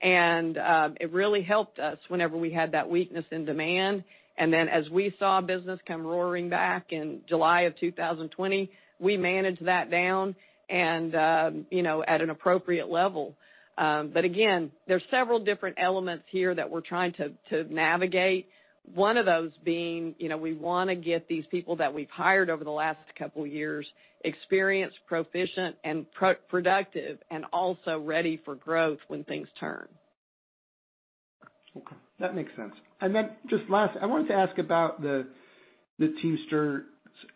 and it really helped us whenever we had that weakness in demand. Then as we saw business come roaring back in July of 2020, we managed that down and, you know, at an appropriate level. Again, there's several different elements here that we're trying to navigate. One of those being, you know, we wanna get these people that we've hired over the last couple years experienced, proficient, and productive and also ready for growth when things turn. Okay. That makes sense. Just last, I wanted to ask about the Teamsters.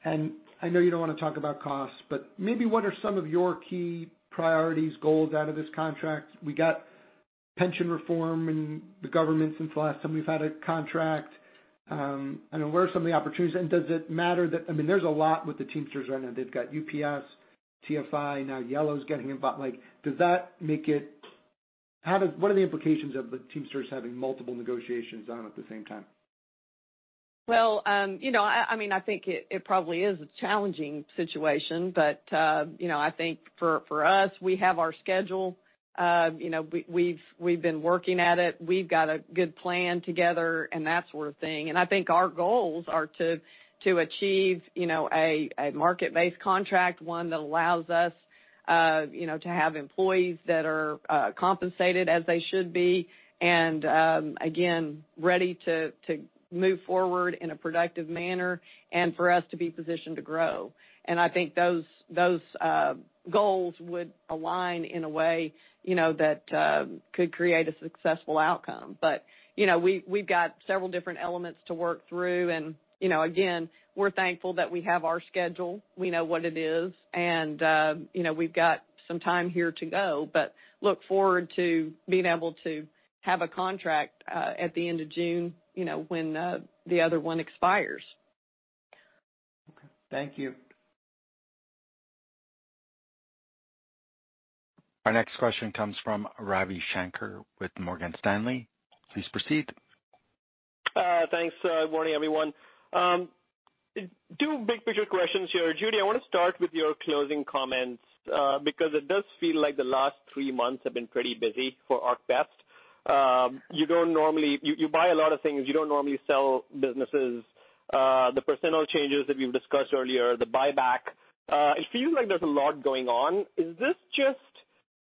I know you don't wanna talk about costs, but maybe what are some of your key priorities, goals out of this contract? We got pension reform and the government since the last time we've had a contract. I know what are some of the opportunities, and does it matter? I mean, there's a lot with the Teamsters right now. They've got UPS, TFI, now Yellow's getting involved. Like, does that make it? What are the implications of the Teamsters having multiple negotiations on at the same time? You know, I mean, I think it probably is a challenging situation. You know, I think for us, we have our schedule. You know, we've been working at it. We've got a good plan together and that sort of thing. I think our goals are to achieve, you know, a market-based contract, one that allows us, you know, to have employees that are compensated as they should be and again, ready to move forward in a productive manner and for us to be positioned to grow. I think those goals would align in a way, you know, that could create a successful outcome. You know, we've got several different elements to work through. You know, again, we're thankful that we have our schedule. We know what it is, and, you know, we've got some time here to go, but look forward to being able to have a contract, at the end of June, you know, when, the other one expires. Okay. Thank you. Our next question comes from Ravi Shanker with Morgan Stanley. Please proceed. Thanks. Good morning, everyone. Two big picture questions here. Judy, I want to start with your closing comments, because it does feel like the last three months have been pretty busy for ArcBest. You buy a lot of things. You don't normally sell businesses. The personnel changes that we've discussed earlier, the buyback, it feels like there's a lot going on. Is this just,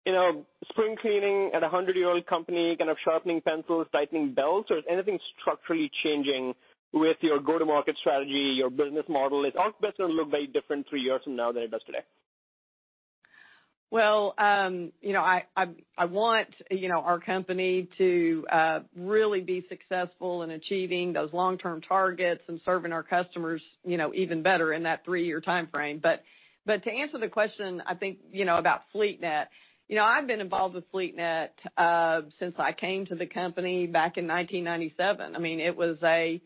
you know, spring cleaning at a 100-year-old company, kind of sharpening pencils, tightening belts, or is anything structurally changing with your go-to-market strategy, your business model? Is ArcBest gonna look very different three years from now than it does today? You know, I want, you know, our company to really be successful in achieving those long-term targets and serving our customers, you know, even better in that 3-year timeframe. To answer the question, I think, you know, about FleetNet. You know, I've been involved with FleetNet since I came to the company back in 1997. I mean, it was a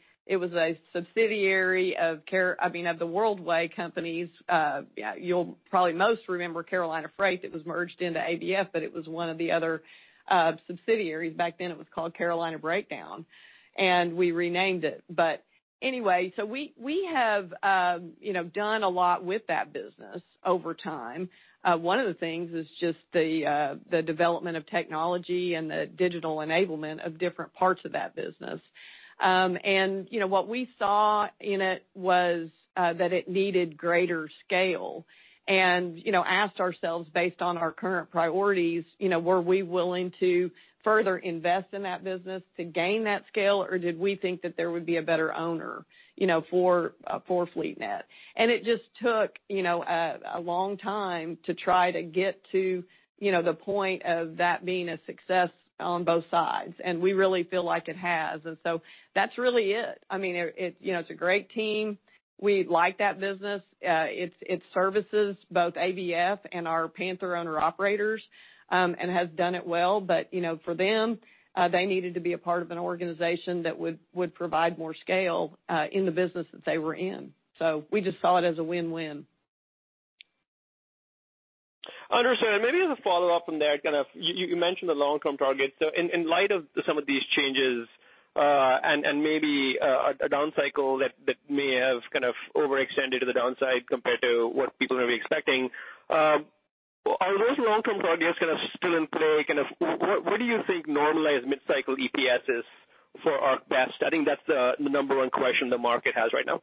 subsidiary of I mean, of the WorldWay. Yeah, you'll probably most remember Carolina Freight that was merged into ABF, it was one of the other subsidiaries. Back then, it was called Carolina Breakdown, we renamed it. Anyway, we have, you know, done a lot with that business over time. One of the things is just the development of technology and the digital enablement of different parts of that business. You know, what we saw in it was that it needed greater scale. You know, asked ourselves, based on our current priorities, you know, were we willing to further invest in that business to gain that scale, or did we think that there would be a better owner, you know, for FleetNet? It just took, you know, a long time to try to get to, you know, the point of that being a success on both sides, and we really feel like it has. That's really it. I mean, it, you know, it's a great team. We like that business. It services both ABF and our Panther owner-operators, and has done it well. You know, for them, they needed to be a part of an organization that would provide more scale, in the business that they were in. We just saw it as a win-win. Understood. Maybe as a follow-up from there, kind of you mentioned the long-term target. In light of some of these changes, and maybe a down cycle that may have kind of overextended to the downside compared to what people may be expecting, are those long-term targets kind of still in play? Kind of what do you think normalized mid-cycle EPS is for ArcBest? I think that's the number one question the market has right now.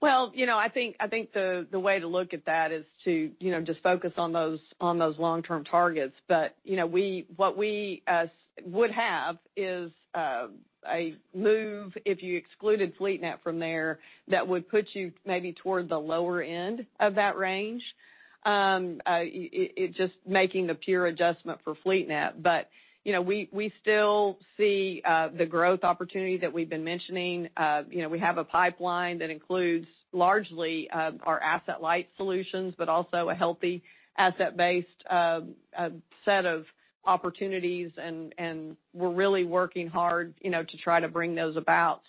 Well, you know, I think the way to look at that is to, you know, just focus on those long-term targets. You know, what we would have is a move, if you excluded FleetNet from there, that would put you maybe toward the lower end of that range. It just making the pure adjustment for FleetNet. You know, we still see the growth opportunity that we've been mentioning. You know, we have a pipeline that includes largely our asset-light solutions, but also a healthy asset-based set of opportunities, and we're really working hard, you know, to try to bring those about.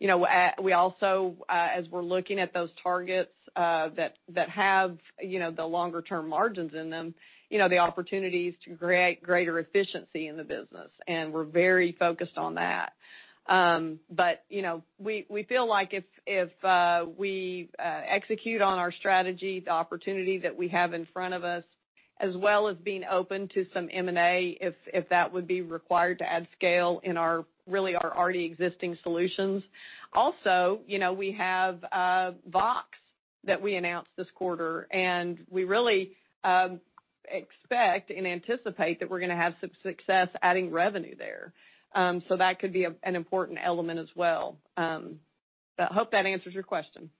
You know, we also, as we're looking at those targets, that have, you know, the longer-term margins in them, you know, the opportunities to create greater efficiency in the business, and we're very focused on that. You know, we feel like if we execute on our strategy, the opportunity that we have in front of us, as well as being open to some M&A if that would be required to add scale in our, really our already existing solutions. You know, we have Vaux that we announced this quarter, and we really expect and anticipate that we're gonna have some success adding revenue there. That could be an important element as well. I hope that answers your question.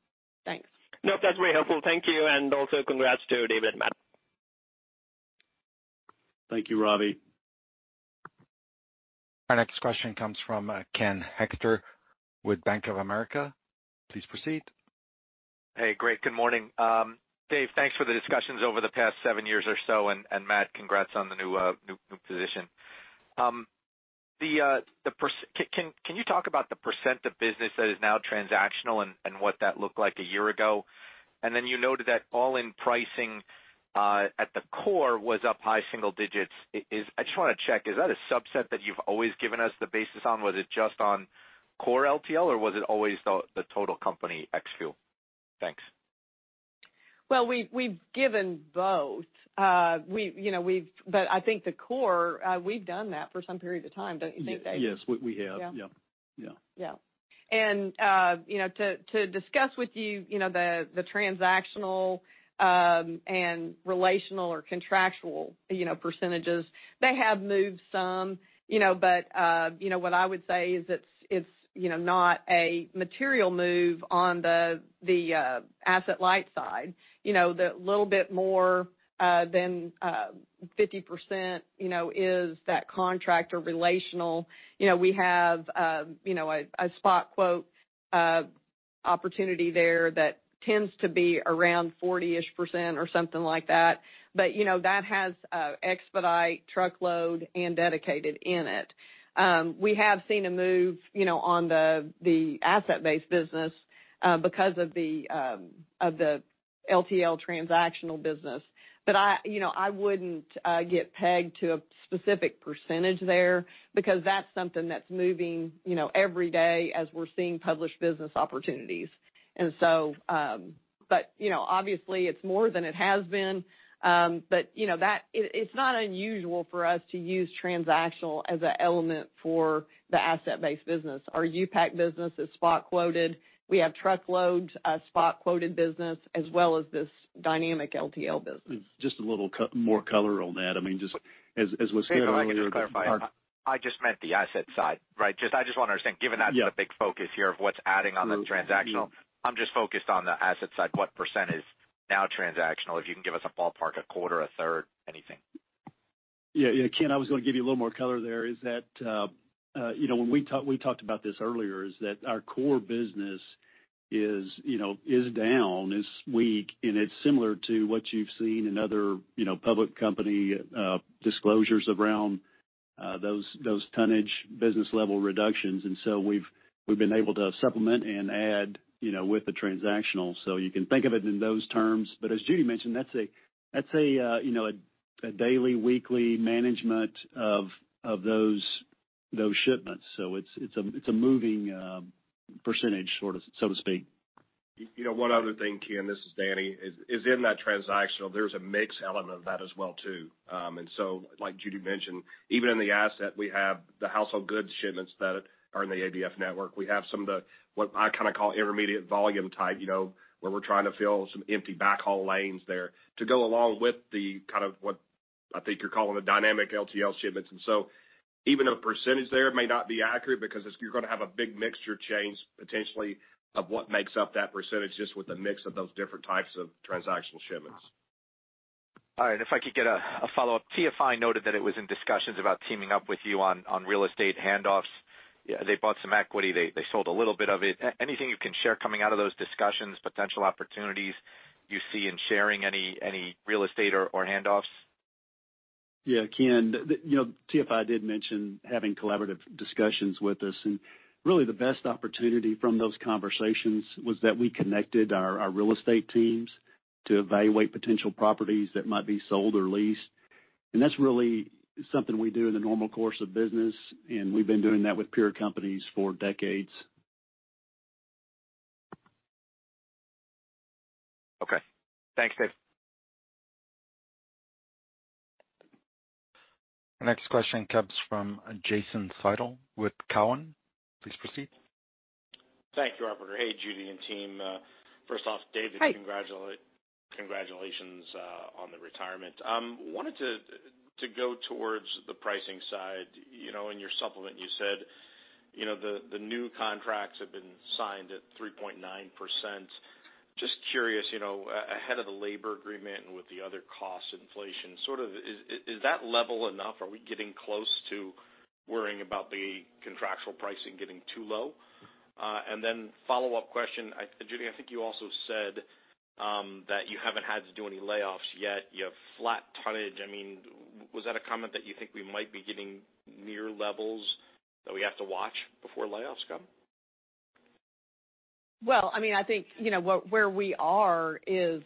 Thanks. Nope, that's very helpful. Thank you, and also congrats to David and Matt. Thank you, Ravi. Our next question comes from Ken Hoexter with Bank of America. Please proceed. Hey, great. Good morning. Dave, thanks for the discussions over the past 7 years or so, and Matt, congrats on the new position. Can you talk about the % of business that is now transactional and what that looked like a year ago? Then you noted that all-in pricing at the core was up high single digits. I just wanna check, is that a subset that you've always given us the basis on? Was it just on core LTL, or was it always the total company ex fuel? Thanks. Well, we've given both. We, you know, I think the core, we've done that for some period of time, don't you think, Dave? Yes, we have. Yeah. You know, to discuss with you know, the transactional, and relational or contractual, you know, percentages, they have moved some, you know, but, you know, what I would say is it's, you know, not a material move on the Asset-Light side. You know, the little bit more, than, 50%, you know, is that contract or relational. You know, we have, you know, a spot quote, opportunity there that tends to be around 40-ish% or something like that. You know, that has, expedite, truckload, and dedicated in it. We have seen a move, you know, on the asset-based business, because of the, of the LTL transactional business. I, you know, I wouldn't get pegged to a specific percentage there because that's something that's moving, you know, every day as we're seeing published business opportunities. So, you know, obviously, it's more than it has been. You know, it's not unusual for us to use transactional as an element for the asset-based business. Our U-Pack business is spot quoted. We have truckload spot quoted business as well as this dynamic LTL business. Just a little more color on that. I mean, just as was stated earlier. David, if I can just clarify. I just meant the asset side, right? Just, I just want to understand the big focus here of what's adding on the transactional. I'm just focused on the asset side, what % is now transactional, if you can give us a ballpark, a quarter, a third, anything? Yeah. Yeah, Ken, I was gonna give you a little more color there, is that, you know, when we talked about this earlier, is that our core business is, you know, is down, is weak, and it's similar to what you've seen in other, you know, public company disclosures around those tonnage business level reductions. We've been able to supplement and add, you know, with the transactional. You can think of it in those terms. As Judy mentioned, that's a, you know, a daily, weekly management of those shipments. It's a moving percentage, sort of, so to speak. You know, one other thing, Ken, this is Danny, is in that transactional, there's a mix element of that as well too. Like Judy mentioned, even in the asset, we have the household goods shipments that are in the ABF network. We have some of the, what I kind of call intermediate volume type, you know, where we're trying to fill some empty backhaul lanes there to go along with the kind of what I think you're calling the dynamic LTL shipments. Even a percentage there may not be accurate because you're gonna have a big mixture change potentially of what makes up that percentage just with the mix of those different types of transactional shipments. All right. If I could get a follow-up. TFI noted that it was in discussions about teaming up with you on real estate handoffs. They bought some equity. They sold a little bit of it. Anything you can share coming out of those discussions, potential opportunities you see in sharing any real estate or handoffs? Yeah, Ken, you know, TFI did mention having collaborative discussions with us. Really the best opportunity from those conversations was that we connected our real estate teams to evaluate potential properties that might be sold or leased. That's really something we do in the normal course of business, and we've been doing that with peer companies for decades. Okay. Thanks, Dave. Next question comes from Jason Seidl with Cowen. Please proceed. Thank you, operator. Hey, Judy and team. First off, David. Hi. Congratulations on the retirement. Wanted to go towards the pricing side. You know, in your supplement, you said, you know, the new contracts have been signed at 3.9%. Just curious, you know, ahead of the labor agreement and with the other cost inflation sort of, is that level enough? Are we getting close to worrying about the contractual pricing getting too low? Follow-up question, Judy, I think you also said that you haven't had to do any layoffs yet. You have flat tonnage. I mean, was that a comment that you think we might be getting near levels that we have to watch before layoffs come? Well, I mean, I think, you know, where we are is,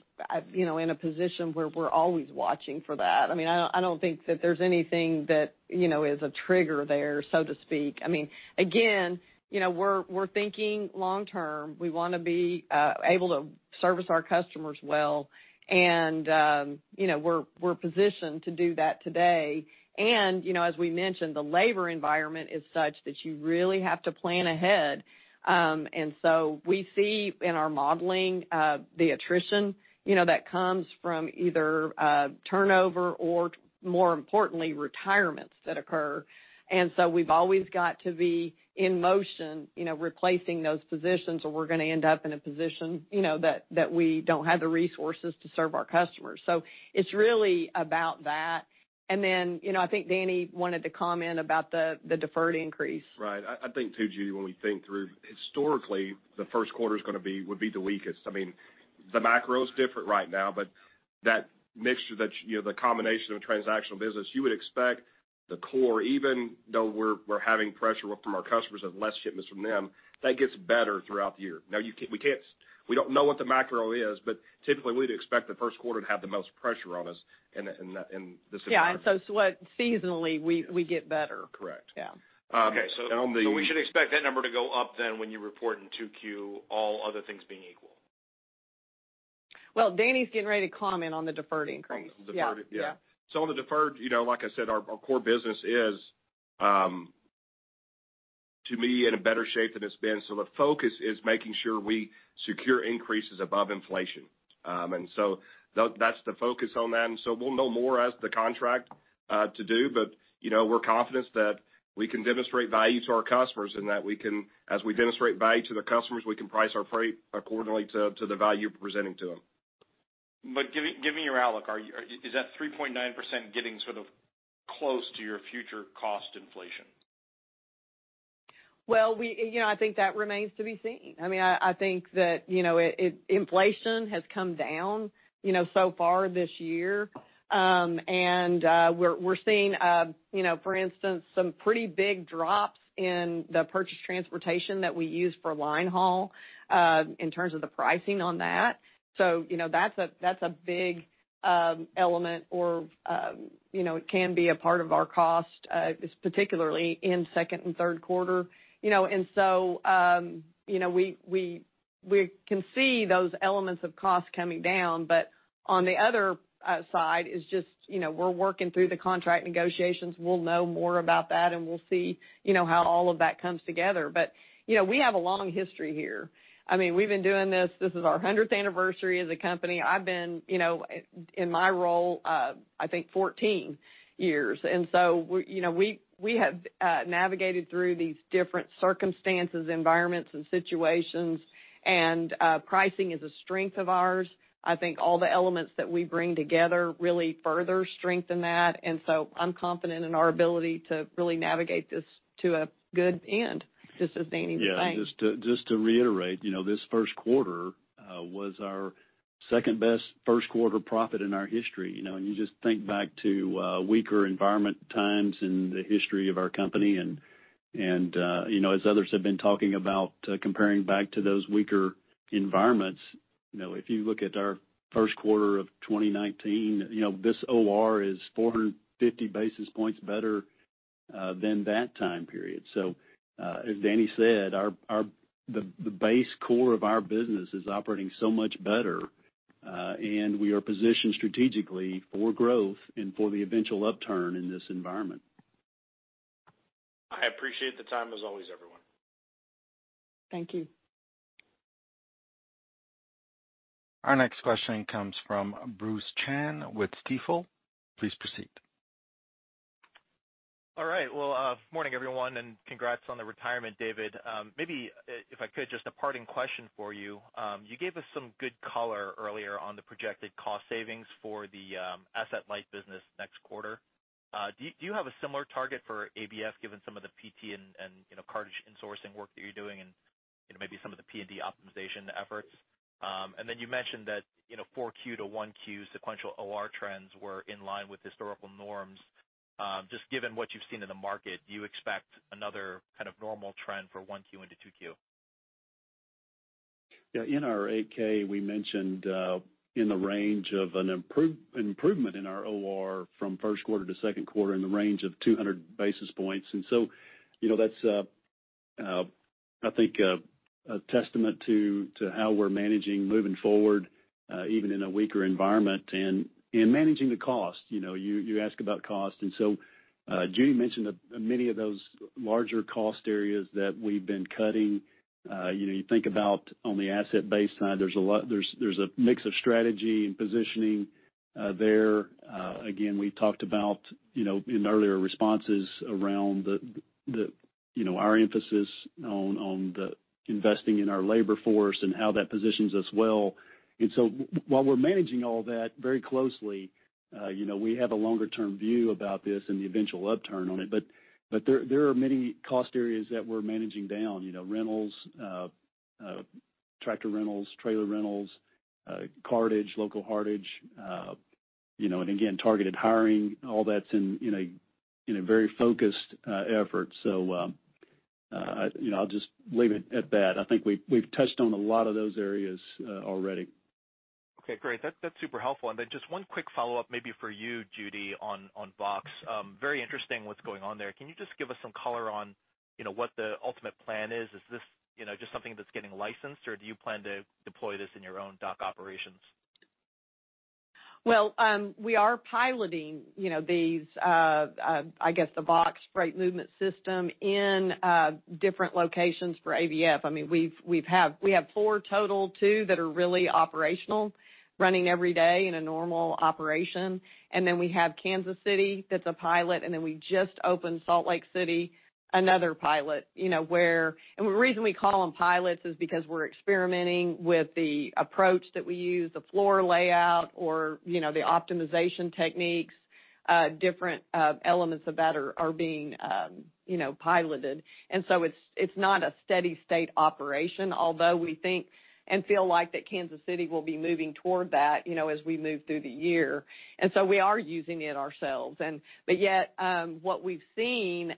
you know, in a position where we're always watching for that. I mean, I don't think that there's anything that, you know, is a trigger there, so to speak. I mean, again, you know, we're thinking long term. We wanna be able to service our customers well and, you know, we're positioned to do that today. You know, as we mentioned, the labor environment is such that you really have to plan ahead. We see in our modeling the attrition, you know, that comes from either turnover or more importantly, retirements that occur. We've always got to be in motion, you know, replacing those positions or we're gonna end up in a position, you know, that we don't have the resources to serve our customers. It's really about that. Then, you know, I think Danny wanted to comment about the deferred increase. Right. I think too, Judy, when we think through historically, the first quarter would be the weakest. I mean, the macro is different right now, but that mixture that, you know, the combination of transactional business, you would expect the core, even though we're having pressure from our customers of less shipments from them, that gets better throughout the year. we don't know what the macro is, but typically we'd expect the first quarter to have the most pressure on us in this environment. Yeah, what seasonally we get better. Correct. And on the. Okay. We should expect that number to go up then when you report in 2Q, all other things being equal. Well, Danny's getting ready to comment on the deferred increase. On the deferred. Yeah. On the deferred, you know, like I said, our core business is to me in a better shape than it's been. The focus is making sure we secure increases above inflation. That's the focus on that. We'll know more as the contract to do, but, you know, we're confident that we can demonstrate value to our customers and that we can, as we demonstrate value to the customers, we can price our freight accordingly to the value we're presenting to them. Giving your outlook, is that 3.9% getting sort of close to your future cost inflation? We, you know, I think that remains to be seen. I mean, I think that, you know, inflation has come down, you know, so far this year. We're seeing, you know, for instance, some pretty big drops in the purchase transportation that we use for line haul, in terms of the pricing on that. You know, that's a, that's a big element or, you know, it can be a part of our cost, particularly in second and third quarter, you know. You know, we can see those elements of cost coming down. On the other side is just, you know, we're working through the contract negotiations. We'll know more about that, and we'll see, you know, how all of that comes together. You know, we have a long history here. I mean, we've been doing this is our 100th anniversary as a company. I've been, you know, in my role, I think 14 years. We, you know, we have navigated through these different circumstances, environments and situations and pricing is a strength of ours. I think all the elements that we bring together really further strengthen that. I'm confident in our ability to really navigate this to a good end, just as Danny was saying. Just to, just to reiterate, you know, this first quarter was our second best first quarter profit in our history. You know, you just think back to weaker environment times in the history of our company. You know, as others have been talking about, comparing back to those weaker environments, you know, if you look at our first quarter of 2019, you know, this OR is 450 basis points better than that time period. As Danny said, the base core of our business is operating so much better, and we are positioned strategically for growth and for the eventual upturn in this environment. I appreciate the time as always, everyone. Thank you. Our next question comes from Bruce Chan with Stifel. Please proceed. All right. Well, morning, everyone, and congrats on the retirement, David. Maybe if I could, just a parting question for you. You gave us some good color earlier on the projected cost savings for the Asset-Light business next quarter. Do you have a similar target for ABF given some of the PT and, you know, cartage insourcing work that you're doing and, you know, maybe some of the P&D optimization efforts? You mentioned that, you know, 4Q to 1Q sequential OR trends were in line with historical norms. Just given what you've seen in the market, do you expect another kind of normal trend for 1Q into 2Q? Yeah. In our 8-K, we mentioned in the range of an improvement in our OR from first quarter to second quarter in the range of 200 basis points. You know, that's I think a testament to how we're managing moving forward, even in a weaker environment and in managing the cost. You know, you ask about cost. Judy mentioned that many of those larger cost areas that we've been cutting. You know, you think about on the asset-based side, there's a mix of strategy and positioning there. Again, we talked about, you know, in earlier responses around the, you know, our emphasis on the investing in our labor force and how that positions us well. While we're managing all that very closely, you know, we have a longer-term view about this and the eventual upturn on it. There are many cost areas that we're managing down. You know, rentals, tractor rentals, trailer rentals, cartage, local cartage, you know, and again, targeted hiring, all that's in a very focused effort. You know, I'll just leave it at that. I think we've touched on a lot of those areas already. Okay, great. That's super helpful. Then just one quick follow-up maybe for you, Judy, on Vaux. Very interesting what's going on there. Can you just give us some color on, you know, what the ultimate plan is? Is this, you know, just something that's getting licensed, or do you plan to deploy this in your own dock operations? Well, we are piloting, you know, these, I guess the Vaux freight movement system in different locations for ABF. I mean, we have four total, two that are really operational, running every day in a normal operation. We have Kansas City, that's a pilot, and then we just opened Salt Lake City, another pilot. You know, the reason we call them pilots is because we're experimenting with the approach that we use, the floor layout or, you know, the optimization techniques, different elements of that are being, you know, piloted. It's not a steady state operation, although we think and feel like that Kansas City will be moving toward that, you know, as we move through the year. We are using it ourselves. But yet, what we've seen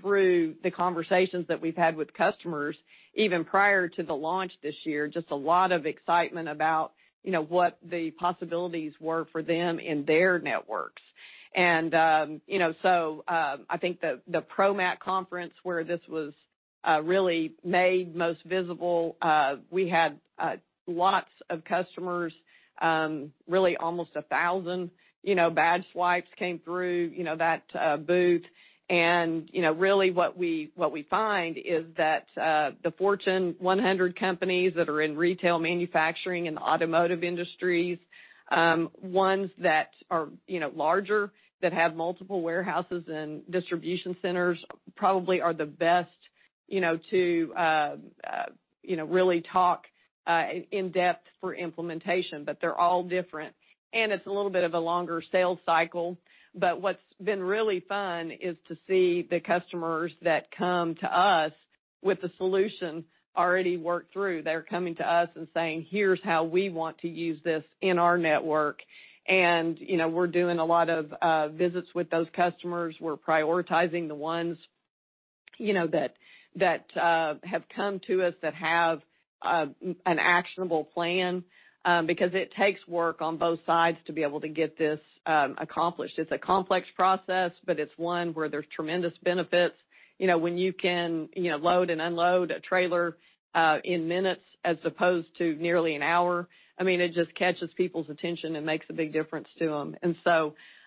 through the conversations that we've had with customers, even prior to the launch this year, just a lot of excitement about, you know, what the possibilities were for them in their networks. I think the ProMat conference where this was really made most visible, we had lots of customers, really almost 1,000, you know, badge swipes came through, you know, that booth. Really what we find is that the Fortune 100 companies that are in retail manufacturing and the automotive industries, ones that are, you know, larger, that have multiple warehouses and distribution centers probably are the best, you know, to You know, really talk in depth for implementation, but they're all different. It's a little bit of a longer sales cycle. What's been really fun is to see the customers that come to us with a solution already worked through. They're coming to us and saying, "Here's how we want to use this in our network." You know, we're doing a lot of visits with those customers. We're prioritizing the ones, you know, that have come to us that have an actionable plan because it takes work on both sides to be able to get this accomplished. It's a complex process, but it's one where there's tremendous benefits, you know, when you can, you know, load and unload a trailer in minutes as opposed to nearly an hour. I mean, it just catches people's attention and makes a big difference to them.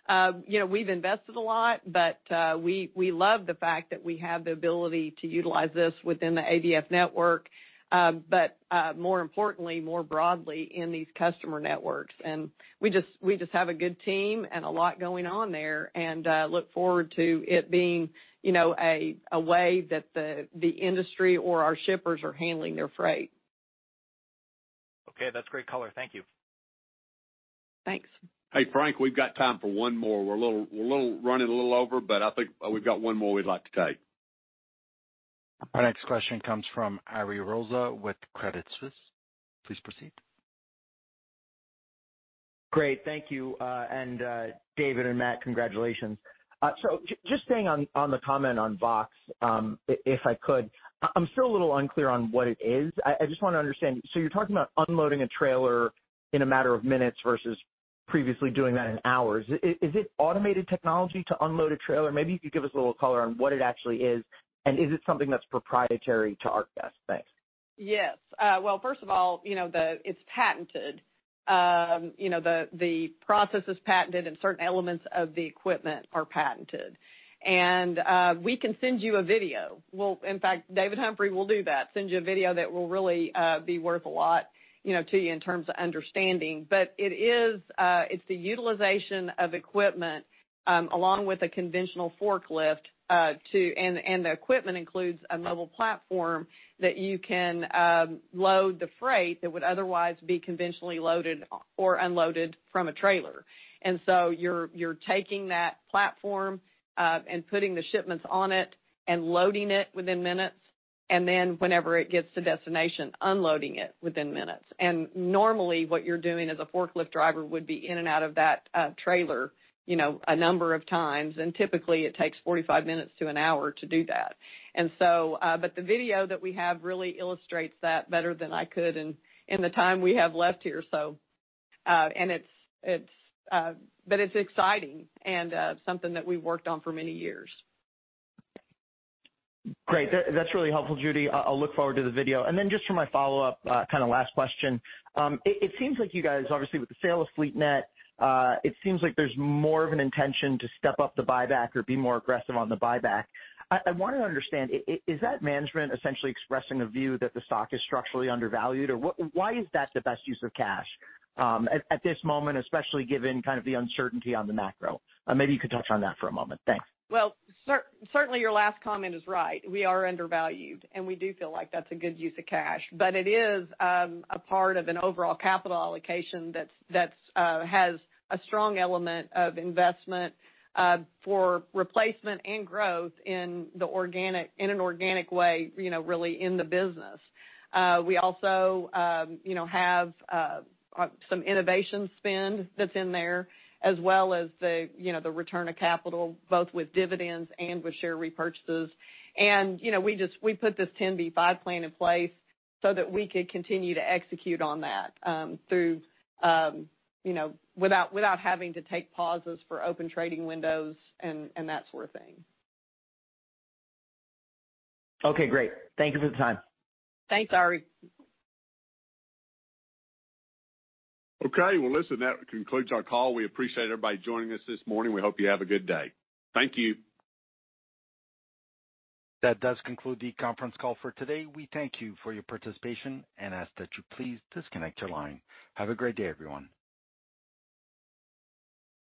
You know, we've invested a lot, but we love the fact that we have the ability to utilize this within the ABF network, but, more importantly, more broadly in these customer networks. We just have a good team and a lot going on there and look forward to it being, you know, a way that the industry or our shippers are handling their freight. Okay, that's great color. Thank you. Thanks. Hey, Frank, we've got time for one more. We're running a little over, but I think we've got one more we'd like to take. Our next question comes from Ariel Rosa with Credit Suisse. Please proceed. Great, thank you. David and Matt, congratulations. Just staying on the comment on Vaux, if I could, I'm still a little unclear on what it is. I just wanna understand. You're talking about unloading a trailer in a matter of minutes versus previously doing that in hours. Is it automated technology to unload a trailer? Maybe you could give us a little color on what it actually is, and is it something that's proprietary to ArcBest? Thanks. Yes. Well, first of all, you know, it's patented. You know, the process is patented and certain elements of the equipment are patented. We can send you a video. In fact, David Humphrey will do that, send you a video that will really be worth a lot, you know, to you in terms of understanding. But it is, it's the utilization of equipment, along with a conventional forklift, and the equipment includes a mobile platform that you can load the freight that would otherwise be conventionally loaded or unloaded from a trailer. You're taking that platform, and putting the shipments on it and loading it within minutes, and then whenever it gets to destination, unloading it within minutes. Normally, what you're doing as a forklift driver would be in and out of that, trailer, you know, a number of times, and typically it takes 45 minutes to one hour to do that. The video that we have really illustrates that better than I could in the time we have left here. It's, but it's exciting and, something that we worked on for many years. Great. That's really helpful, Judy. I'll look forward to the video. Just for my follow-up, kind of last question. It seems like you guys, obviously, with the sale of FleetNet, it seems like there's more of an intention to step up the buyback or be more aggressive on the buyback. I wanna understand, is that management essentially expressing a view that the stock is structurally undervalued? Or why is that the best use of cash, at this moment, especially given kind of the uncertainty on the macro? Maybe you could touch on that for a moment. Thanks. Certainly your last comment is right, we are undervalued, and we do feel like that's a good use of cash. It is a part of an overall capital allocation that has a strong element of investment for replacement and growth in an organic way, you know, really in the business. We also, you know, have some innovation spend that's in there, as well as the, you know, the return of capital, both with dividends and with share repurchases. We just, we put this 10b5-1 plan in place so that we could continue to execute on that through, you know, without having to take pauses for open trading windows and that sort of thing. Okay, great. Thank you for the time. Thanks, Ari. Okay. Listen, that concludes our call. We appreciate everybody joining us this morning. We hope you have a good day. Thank you. That does conclude the conference call for today. We thank you for your participation and ask that you please disconnect your line. Have a great day, everyone.